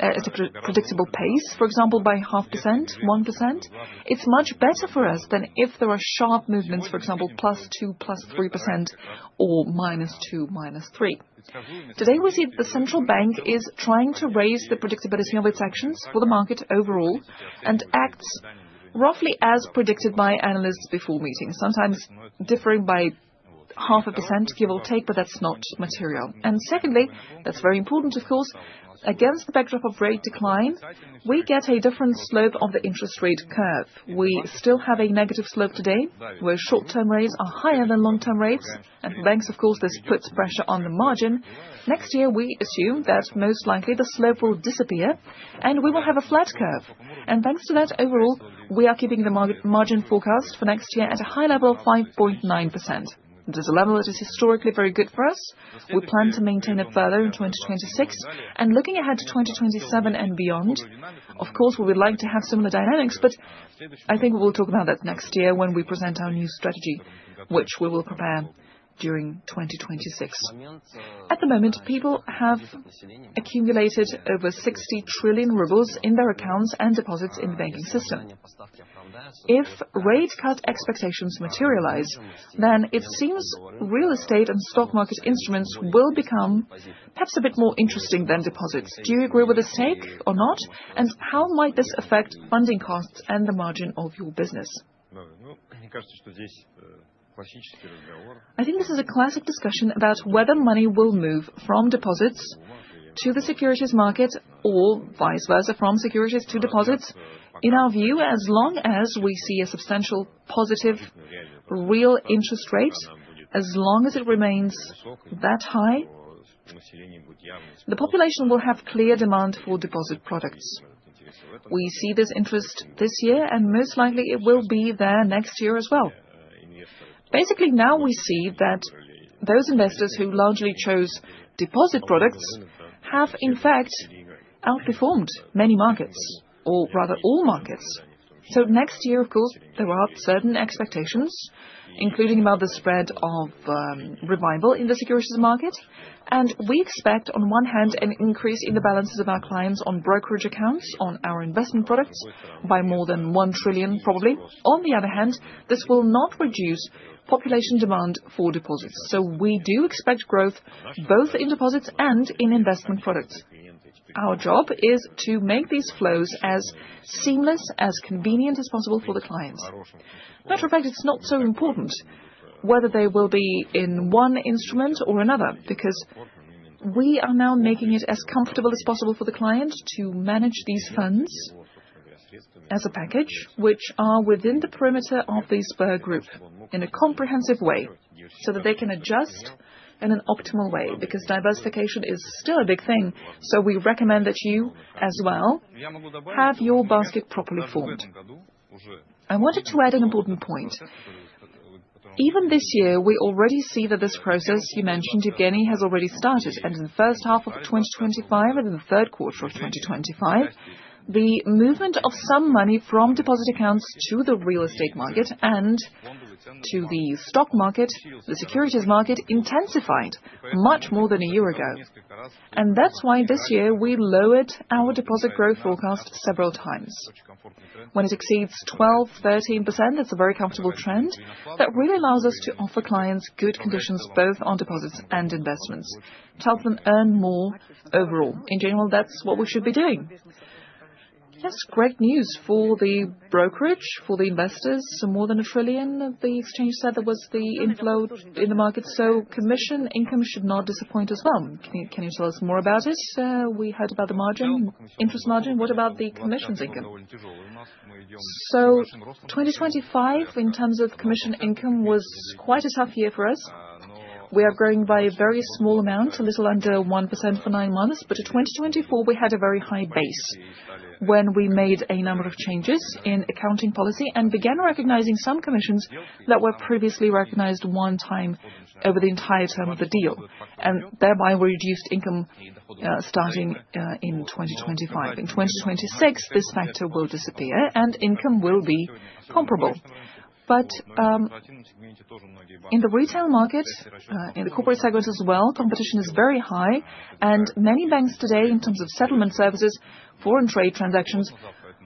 at a predictable pace, for example, by 0.5%, 1%, it's much better for us than if there are sharp movements, for example, +2%, +3%, or -2%, -3%. Today, we see that the Central Bank is trying to raise the predictability of its actions for the market overall and acts roughly as predicted by analysts before meetings, sometimes differing by 0.5%, give or take, but that's not material, and secondly, that's very important, of course, against the backdrop of rate decline, we get a different slope of the interest rate curve. We still have a negative slope today, where short-term rates are higher than long-term rates, and for banks, of course, this puts pressure on the margin. Next year, we assume that most likely the slope will disappear, and we will have a flat curve, and thanks to that, overall, we are keeping the margin forecast for next year at a high level of 5.9%. This is a level that is historically very good for us. We plan to maintain it further in 2026, and looking ahead to 2027 and beyond, of course, we would like to have similar dynamics, but I think we will talk about that next year when we present our new strategy, which we will prepare during 2026. At the moment, people have accumulated over 60 trillion rubles in their accounts and deposits in the banking system. If rate-cut expectations materialize, then it seems real estate and stock market instruments will become perhaps a bit more interesting than deposits. Do you agree with this take or not? And how might this affect funding costs and the margin of your business? I think this is a classic discussion about whether money will move from deposits to the securities market or vice versa, from securities to deposits. In our view, as long as we see a substantial positive real interest rate, as long as it remains that high, the population will have clear demand for deposit products. We see this interest this year, and most likely it will be there next year as well. Basically, now we see that those investors who largely chose deposit products have, in fact, outperformed many markets, or rather all markets. So next year, of course, there are certain expectations, including about the spread of revival in the securities market. And we expect, on one hand, an increase in the balances of our clients on brokerage accounts on our investment products by more than 1 trillion, probably. On the other hand, this will not reduce population demand for deposits. So we do expect growth both in deposits and in investment products. Our job is to make these flows as seamless, as convenient as possible for the clients. Matter of fact, it's not so important whether they will be in one instrument or another, because we are now making it as comfortable as possible for the client to manage these funds as a package, which are within the perimeter of the Sber Group in a comprehensive way, so that they can adjust in an optimal way, because diversification is still a big thing. So we recommend that you as well have your basket properly formed. I wanted to add an important point. Even this year, we already see that this process you mentioned, Evgeny, has already started. In the first half of 2025 and in the third quarter of 2025, the movement of some money from deposit accounts to the real estate market and to the stock market, the securities market, intensified much more than a year ago. That's why this year we lowered our deposit growth forecast several times. When it exceeds 12%-13%, that's a very comfortable trend that really allows us to offer clients good conditions both on deposits and investments, to help them earn more overall. In general, that's what we should be doing. Yes, great news for the brokerage, for the investors. More than 1 trillion, the exchange said there was the inflow in the market. Commission income should not disappoint as well. Can you tell us more about it? We heard about the margin, interest margin. What about the commissions income? 2025, in terms of commission income, was quite a tough year for us. We are growing by a very small amount, a little under 1% for nine months. But in 2024, we had a very high base when we made a number of changes in accounting policy and began recognizing some commissions that were previously recognized one time over the entire term of the deal. And thereby, we reduced income starting in 2025. In 2026, this factor will disappear and income will be comparable. But in the retail market, in the corporate segment as well, competition is very high. And many banks today, in terms of settlement services, foreign trade transactions,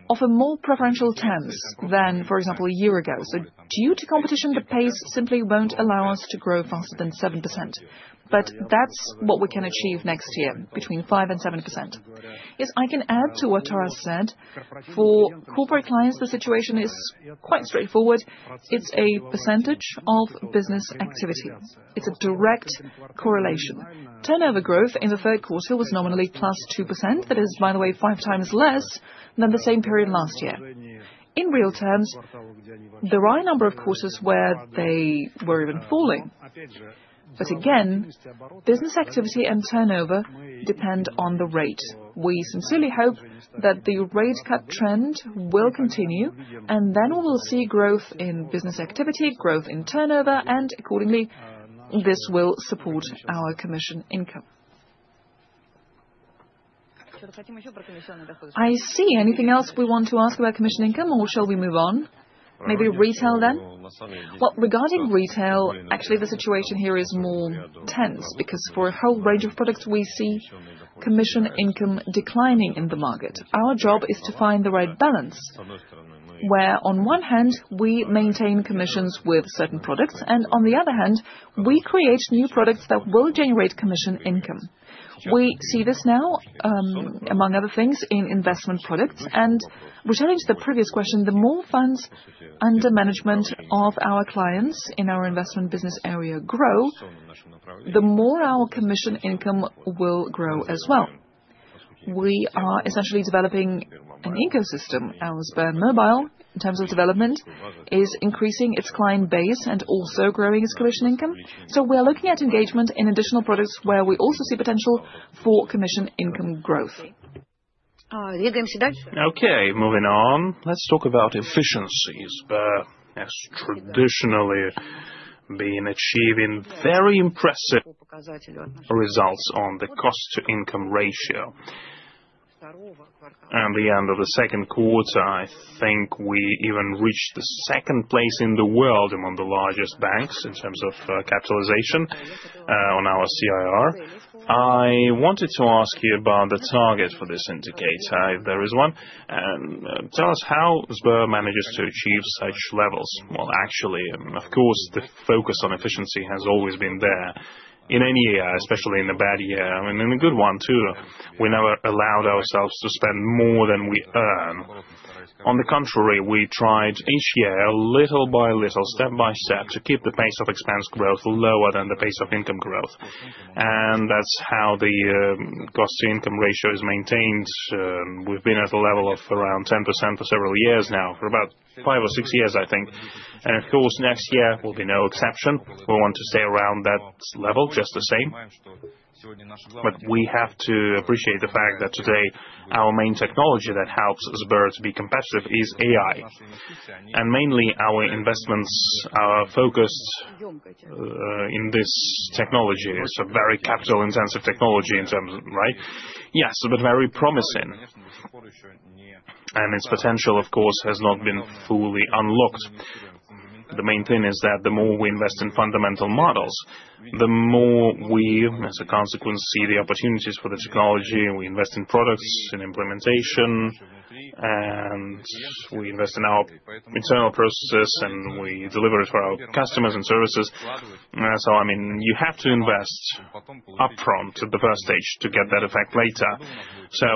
offer more preferential terms than, for example, a year ago. So due to competition, the pace simply won't allow us to grow faster than 7%. But that's what we can achieve next year, between 5% and 7%. Yes, I can add to what Taras said. For corporate clients, the situation is quite straightforward. It's a percentage of business activity. It's a direct correlation. Turnover growth in the third quarter was nominally +2%. That is, by the way, five times less than the same period last year. In real terms, there are a number of quarters where they were even falling. But again, business activity and turnover depend on the rate. We sincerely hope that the rate-cut trend will continue, and then we will see growth in business activity, growth in turnover, and accordingly, this will support our commission income. I see. Anything else we want to ask about commission income, or shall we move on? Maybe retail then? Well, regarding retail, actually, the situation here is more tense because for a whole range of products, we see commission income declining in the market. Our job is to find the right balance where, on one hand, we maintain commissions with certain products, and on the other hand, we create new products that will generate commission income. We see this now, among other things, in investment products. And returning to the previous question, the more funds under management of our clients in our investment business area grow, the more our commission income will grow as well. We are essentially developing an ecosystem. Our SberMobile, in terms of development, is increasing its client base and also growing its commission income. So we're looking at engagement in additional products where we also see potential for commission income growth. Okay, moving on. Let's talk about efficiencies. Sber has traditionally been achieving very impressive results on the cost-to-income ratio. At the end of the second quarter, I think we even reached the second place in the world among the largest banks in terms of capitalization on our CIR. I wanted to ask you about the target for this indicator, if there is one. Tell us how Sber manages to achieve such levels. Well, actually, of course, the focus on efficiency has always been there in any year, especially in a bad year, and in a good one too. We never allowed ourselves to spend more than we earn. On the contrary, we tried each year little by little, step by step, to keep the pace of expense growth lower than the pace of income growth, and that's how the cost-to-income ratio is maintained. We've been at a level of around 10% for several years now, for about five or six years, I think. And of course, next year will be no exception. We want to stay around that level just the same. But we have to appreciate the fact that today our main technology that helps Sber to be competitive is AI. And mainly our investments are focused in this technology. It's a very capital-intensive technology in terms of, right? Yes, but very promising. And its potential, of course, has not been fully unlocked. The main thing is that the more we invest in fundamental models, the more we, as a consequence, see the opportunities for the technology. We invest in products, in implementation, and we invest in our internal processes, and we deliver it for our customers and services. So, I mean, you have to invest upfront at the first stage to get that effect later. So,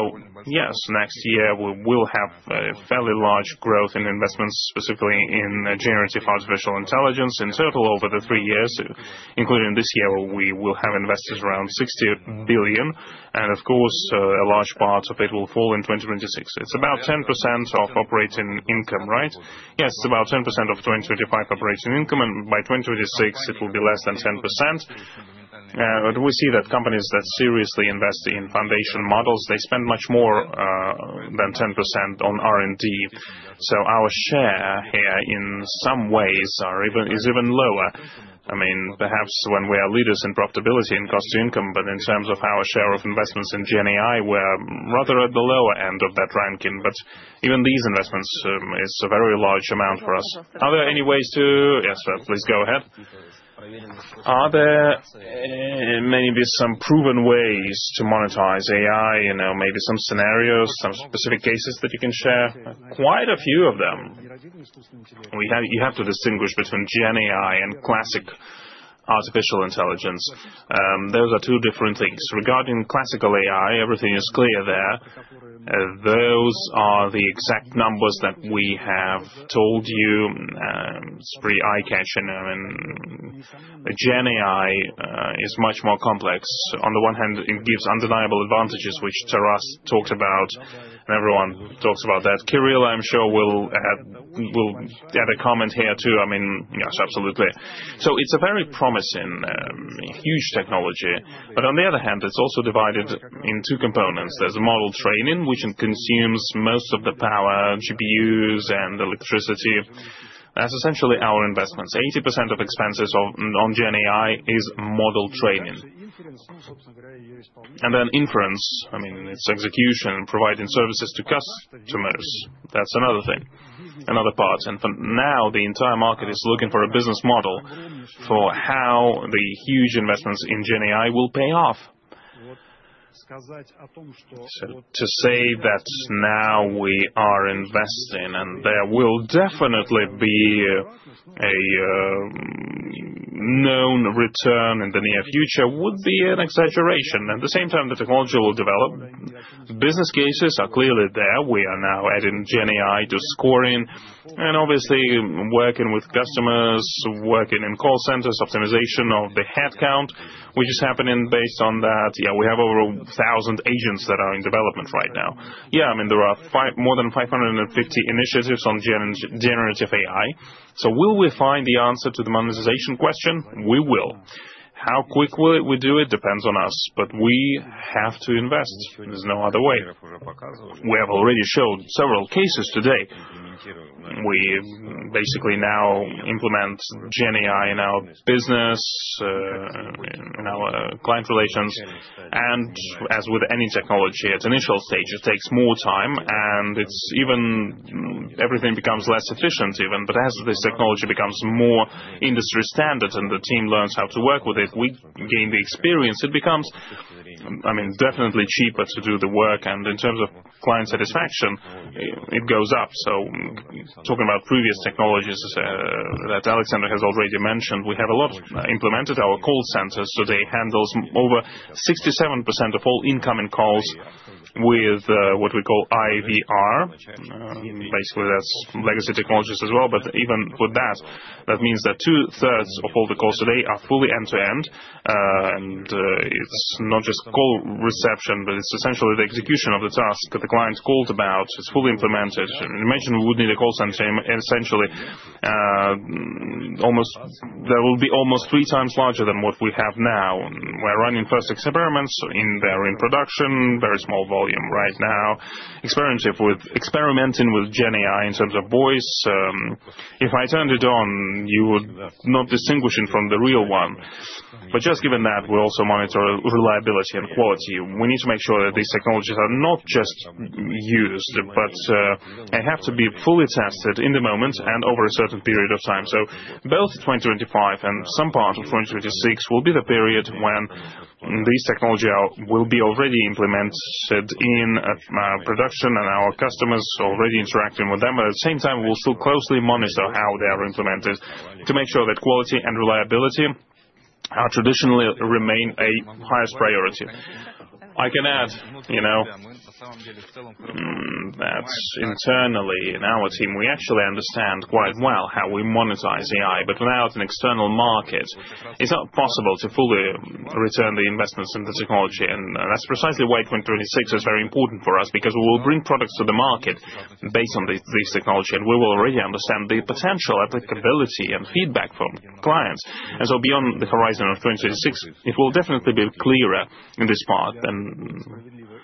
yes, next year we will have a fairly large growth in investments, specifically in generative artificial intelligence in total over the three years, including this year where we will have investments around 60 billion. And of course, a large part of it will fall in 2026. It's about 10% of operating income, right? Yes, it's about 10% of 2025 operating income. And by 2026, it will be less than 10%. But we see that companies that seriously invest in foundation models, they spend much more than 10% on R&D. So our share here in some ways is even lower. I mean, perhaps when we are leaders in profitability and cost-to-income, but in terms of our share of investments in GenAI, we're rather at the lower end of that ranking. But even these investments is a very large amount for us. Are there any ways to, yes, please go ahead. Are there maybe some proven ways to monetize AI? Maybe some scenarios, some specific cases that you can share? Quite a few of them. You have to distinguish between GenAI and classic artificial intelligence. Those are two different things. Regarding classical AI, everything is clear there. Those are the exact numbers that we have told you. It's pretty eye-catching. I mean, GenAI is much more complex. On the one hand, it gives undeniable advantages, which Taras talked about, and everyone talks about that. Kirill, I'm sure, will add a comment here too. I mean, yes, absolutely, so it's a very promising, huge technology, but on the other hand, it's also divided in two components. There's model training, which consumes most of the power, GPUs, and electricity. That's essentially our investments. 80% of expenses on GenAI is model training, and then inference, I mean, its execution, providing services to customers. That's another thing, another part. And now the entire market is looking for a business model for how the huge investments in GenAI will pay off. To say that now we are investing and there will definitely be a known return in the near future would be an exaggeration. At the same time, the technology will develop. Business cases are clearly there. We are now adding GenAI to scoring and obviously working with customers, working in call centers, optimization of the headcount, which is happening based on that. Yeah, we have over 1,000 agents that are in development right now. Yeah, I mean, there are more than 550 initiatives on generative AI. So will we find the answer to the monetization question? We will. How quick will we do it? Depends on us. But we have to invest. There's no other way. We have already showed several cases today. We basically now implement GenAI in our business, in our client relations, and as with any technology at initial stage, it takes more time, and it's even everything becomes less efficient even, but as this technology becomes more industry standard and the team learns how to work with it, we gain the experience. It becomes, I mean, definitely cheaper to do the work, and in terms of client satisfaction, it goes up, so talking about previous technologies that Alexander has already mentioned, we have a lot implemented. Our call centers today handle over 67% of all incoming calls with what we call IVR. Basically, that's legacy technologies as well, but even with that, that means that two-thirds of all the calls today are fully end-to-end, and it's not just call reception, but it's essentially the execution of the task that the client called about. It's fully implemented. Imagine we would need a call center essentially almost that will be almost 3x larger than what we have now. We're running first experiments in production, very small volume right now, experimenting with GenAI in terms of voice. If I turned it on, you would not distinguish it from the real one, but just given that, we also monitor reliability and quality. We need to make sure that these technologies are not just used, but they have to be fully tested in the moment and over a certain period of time, so both 2025 and some part of 2026 will be the period when these technologies will be already implemented in production and our customers already interacting with them. At the same time, we'll still closely monitor how they are implemented to make sure that quality and reliability traditionally remain a highest priority. I can add that internally in our team, we actually understand quite well how we monetize AI. But without an external market, it's not possible to fully return the investments in the technology. And that's precisely why 2026 is very important for us because we will bring products to the market based on this technology. And we will already understand the potential, applicability, and feedback from clients. And so beyond the horizon of 2026, it will definitely be clearer in this part than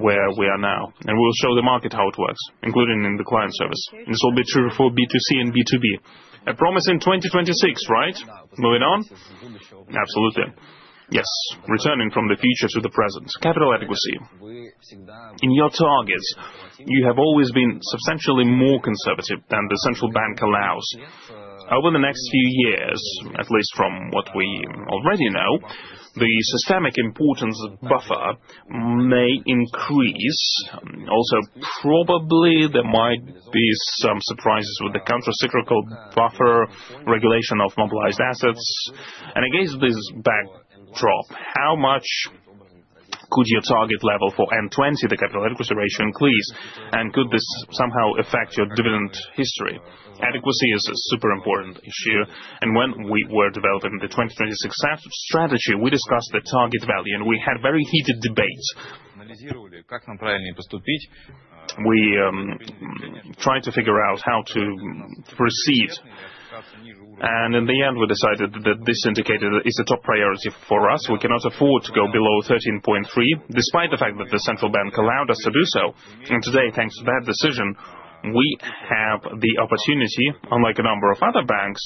where we are now. And we will show the market how it works, including in the client service. This will be true for B2C and B2B. A promising 2026, right? Moving on. Absolutely. Yes. Returning from the future to the present. Capital adequacy. In your targets, you have always been substantially more conservative than the Central Bank allows. Over the next few years, at least from what we already know, the systemic importance buffer may increase. Also, probably there might be some surprises with the countercyclical buffer regulation of immobilized assets. And in case of this backdrop, how much could your target level for N20, the capital adequacy ratio, increase? And could this somehow affect your dividend history? Adequacy is a super important issue. And when we were developing the 2026 strategy, we discussed the target value, and we had very heated debates. We tried to figure out how to proceed. And in the end, we decided that this indicator is a top priority for us. We cannot afford to go below 13.3%, despite the fact that the Central Bank allowed us to do so. Today, thanks to that decision, we have the opportunity, unlike a number of other banks,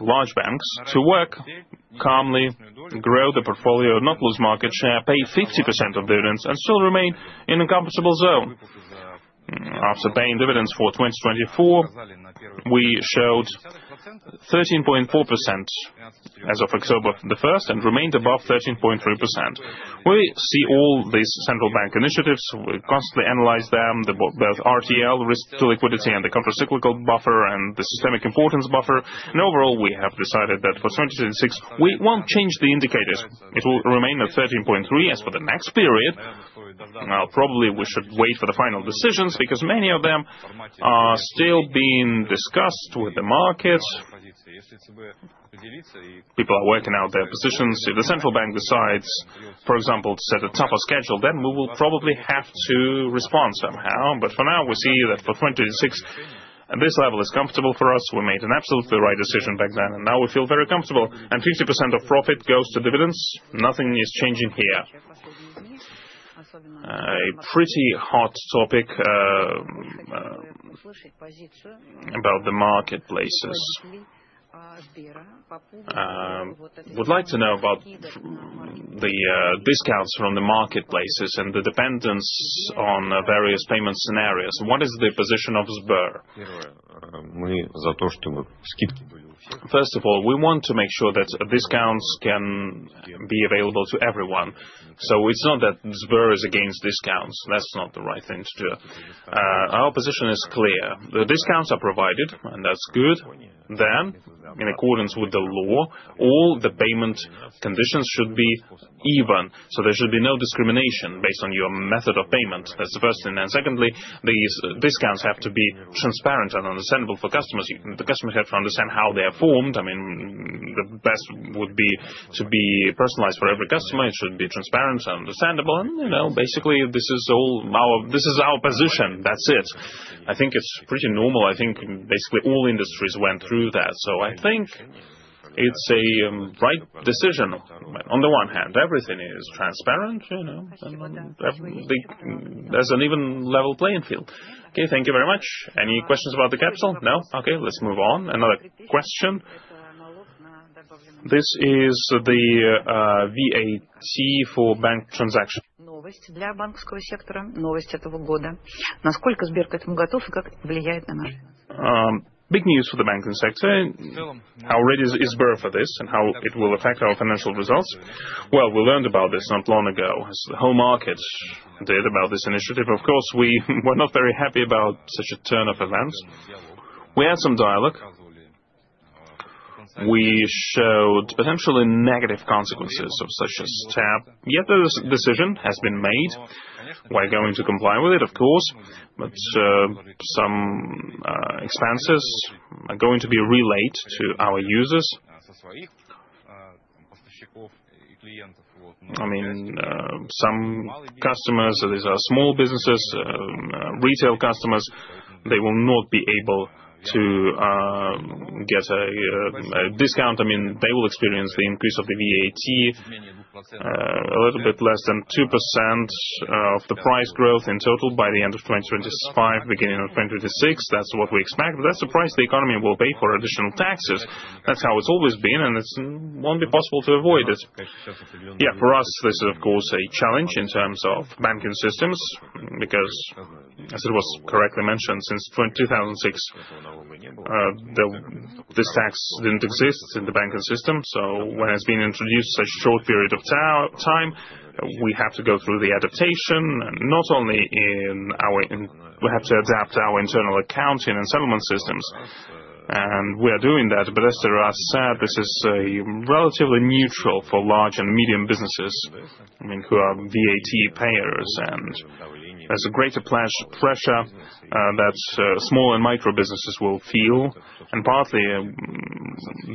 large banks, to work calmly, grow the portfolio, not lose market share, pay 50% of dividends, and still remain in a comfortable zone. After paying dividends for 2024, we showed 13.4% as of October 1 and remained above 13.3%. We see all these Central Bank initiatives. We constantly analyze them, both RTL, risk-to-liquidity, and the countercyclical buffer and the systemic importance buffer. Overall, we have decided that for 2026, we won't change the indicators. It will remain at 13.3% as for the next period. Probably we should wait for the final decisions because many of them are still being discussed with the markets. People are working out their positions. If the Central Bank decides, for example, to set a tougher schedule, then we will probably have to respond somehow. But for now, we see that for 2026, this level is comfortable for us. We made an absolutely right decision back then, and now we feel very comfortable. And 50% of profit goes to dividends. Nothing is changing here. A pretty hot topic about the marketplaces. I would like to know about the discounts from the marketplaces and the dependence on various payment scenarios. What is the position of Sber? First of all, we want to make sure that discounts can be available to everyone. So it's not that Sber is against discounts. That's not the right thing to do. Our position is clear. The discounts are provided, and that's good. Then, in accordance with the law, all the payment conditions should be even. So there should be no discrimination based on your method of payment. That's the first thing. And secondly, these discounts have to be transparent and understandable for customers. The customers have to understand how they are formed. I mean, the best would be to be personalized for every customer. It should be transparent and understandable. And basically, this is our position. That's it. I think it's pretty normal. I think basically all industries went through that. So I think it's a right decision. On the one hand, everything is transparent, and there's an even level playing field. Okay, thank you very much. Any questions about the capital? No? Okay, let's move on. Another question. This is the VAT for bank transactions. Big news for the banking sector. How ready is Sber for this and how it will affect our financial results? We learned about this not long ago, as the whole market did about this initiative. Of course, we were not very happy about such a turn of events. We had some dialogue. We showed potentially negative consequences of such a step. Yet the decision has been made. We're going to comply with it, of course, but some expenses are going to be relayed to our users. I mean, some customers, these are small businesses, retail customers, they will not be able to get a discount. I mean, they will experience the increase of the VAT, a little bit less than 2% of the price growth in total by the end of 2025, beginning of 2026. That's what we expect, but that's the price the economy will pay for additional taxes. That's how it's always been, and it won't be possible to avoid it. Yeah, for us, this is, of course, a challenge in terms of banking systems because, as it was correctly mentioned, since 2006, this tax didn't exist in the banking system, so when it's been introduced for such a short period of time, we have to go through the adaptation, not only in our... we have to adapt our internal accounting and settlement systems, and we are doing that, but as Taras said, this is relatively neutral for large and medium businesses, I mean, who are VAT payers, and there's a greater pressure that small and micro businesses will feel, and partly,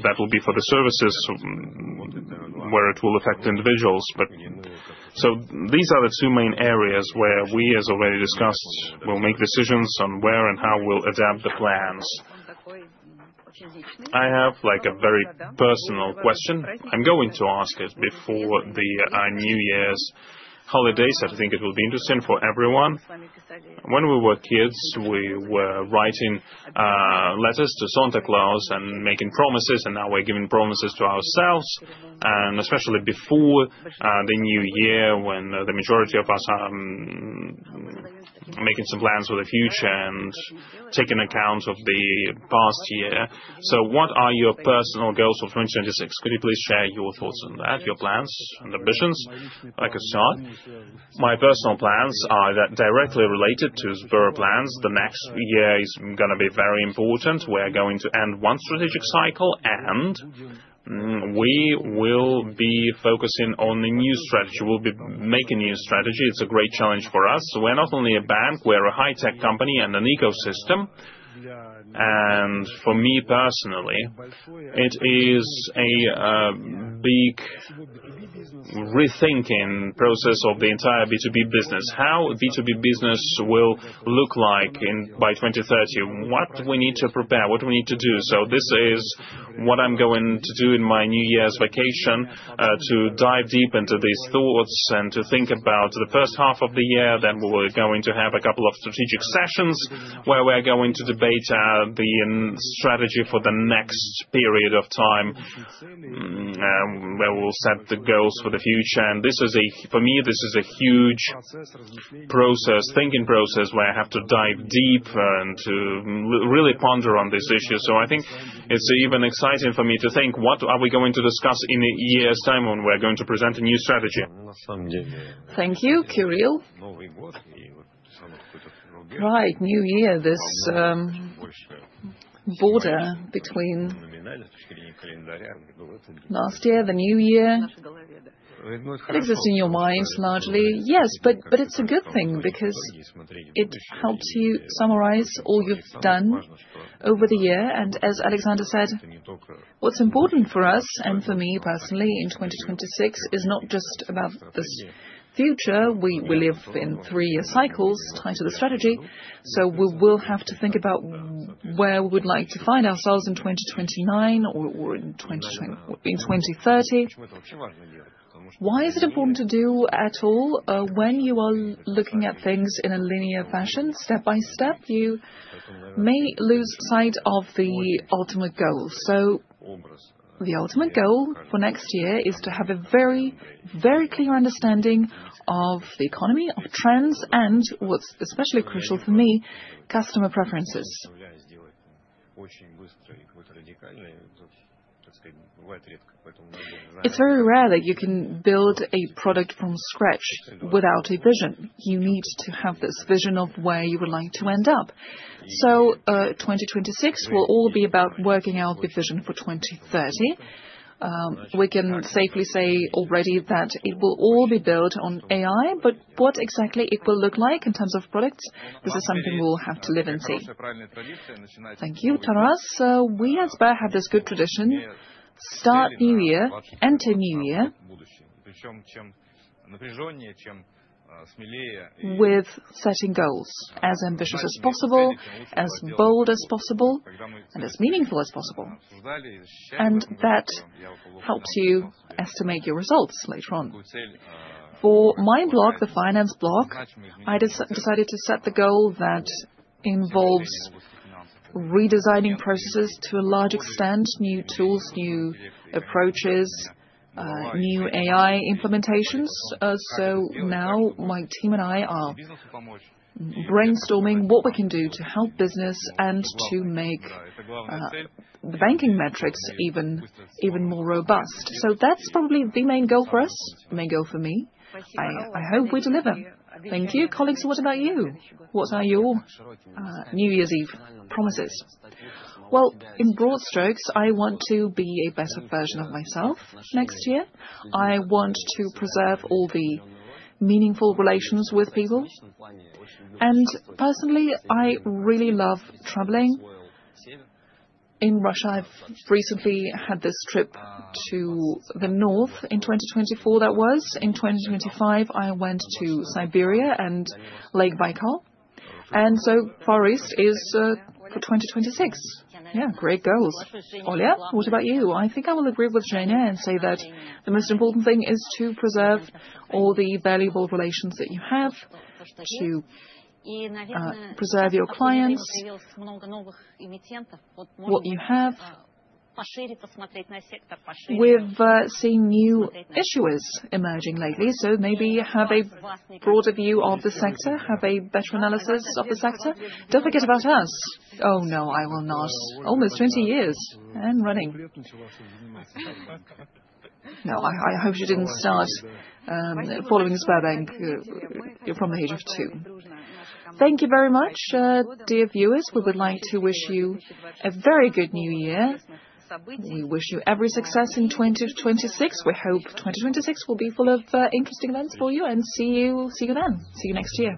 that will be for the services where it will affect individuals, but so these are the two main areas where we, as already discussed, will make decisions on where and how we'll adapt the plans. I have a very personal question. I'm going to ask it before the New Year's holidays. I think it will be interesting for everyone. When we were kids, we were writing letters to Santa Claus and making promises, and now we're giving promises to ourselves, and especially before the New Year, when the majority of us are making some plans for the future and taking account of the past year, so what are your personal goals for 2026? Could you please share your thoughts on that, your plans and ambitions? Like I said, my personal plans are directly related to Sber plans. The next year is going to be very important. We're going to end one strategic cycle, and we will be focusing on a new strategy. We'll be making a new strategy. It's a great challenge for us. We're not only a bank. We're a high-tech company and an ecosystem. And for me personally, it is a big rethinking process of the entire B2B business. How B2B business will look like by 2030, what we need to prepare, what we need to do. So this is what I'm going to do in my New Year's vacation: to dive deep into these thoughts and to think about the first half of the year. Then we're going to have a couple of strategic sessions where we're going to debate the strategy for the next period of time, where we'll set the goals for the future. And this is for me, this is a huge process, thinking process, where I have to dive deep and to really ponder on this issue. So I think it's even exciting for me to think, what are we going to discuss in a year's time when we're going to present a new strategy? Thank you, Kirill. Right, New Year. This border between last year, the New Year, it exists in your mind largely, yes, but it's a good thing because it helps you summarize all you've done over the year, and as Alexander said, what's important for us and for me personally in 2026 is not just about this future. We live in three-year cycles tied to the strategy, so we will have to think about where we would like to find ourselves in 2029 or in 2030. Why is it important to do at all? When you are looking at things in a linear fashion, step by step, you may lose sight of the ultimate goal, so the ultimate goal for next year is to have a very, very clear understanding of the economy, of trends, and what's especially crucial for me, customer preferences. It's very rare that you can build a product from scratch without a vision. You need to have this vision of where you would like to end up, so 2026 will all be about working out the vision for 2030. We can safely say already that it will all be built on AI, but what exactly it will look like in terms of products, this is something we'll have to live and see. Thank you, Taras, so we at Sber have this good tradition: start New Year, enter New Year with setting goals. As ambitious as possible, as bold as possible, and as meaningful as possible, and that helps you estimate your results later on. For my block, the Finance Block, I decided to set the goal that involves redesigning processes to a large extent, new tools, new approaches, new AI implementations. So now my team and I are brainstorming what we can do to help business and to make the banking metrics even more robust. So that's probably the main goal for us, the main goal for me. I hope we deliver. Thank you. Colleagues, what about you? What are your New Year's Eve promises? Well, in broad strokes, I want to be a better version of myself next year. I want to preserve all the meaningful relations with people. And personally, I really love traveling. In Russia, I've recently had this trip to the north in 2024, that was. In 2025, I went to Siberia and Lake Baikal. And so Far East is for 2026. Yeah, great goals. Olya, what about you? I think I will agree with Zhenya and say that the most important thing is to preserve all the valuable relations that you have, to preserve your clients, what you have. We've seen new issuers emerging lately, so maybe have a broader view of the sector, have a better analysis of the sector. Don't forget about us. Oh no, I will not. Almost 20 years and running. No, I hope you didn't start following Sberbank from the age of two. Thank you very much. Dear viewers, we would like to wish you a very good New Year. We wish you every success in 2026. We hope 2026 will be full of interesting events for you. And see you then. See you next year.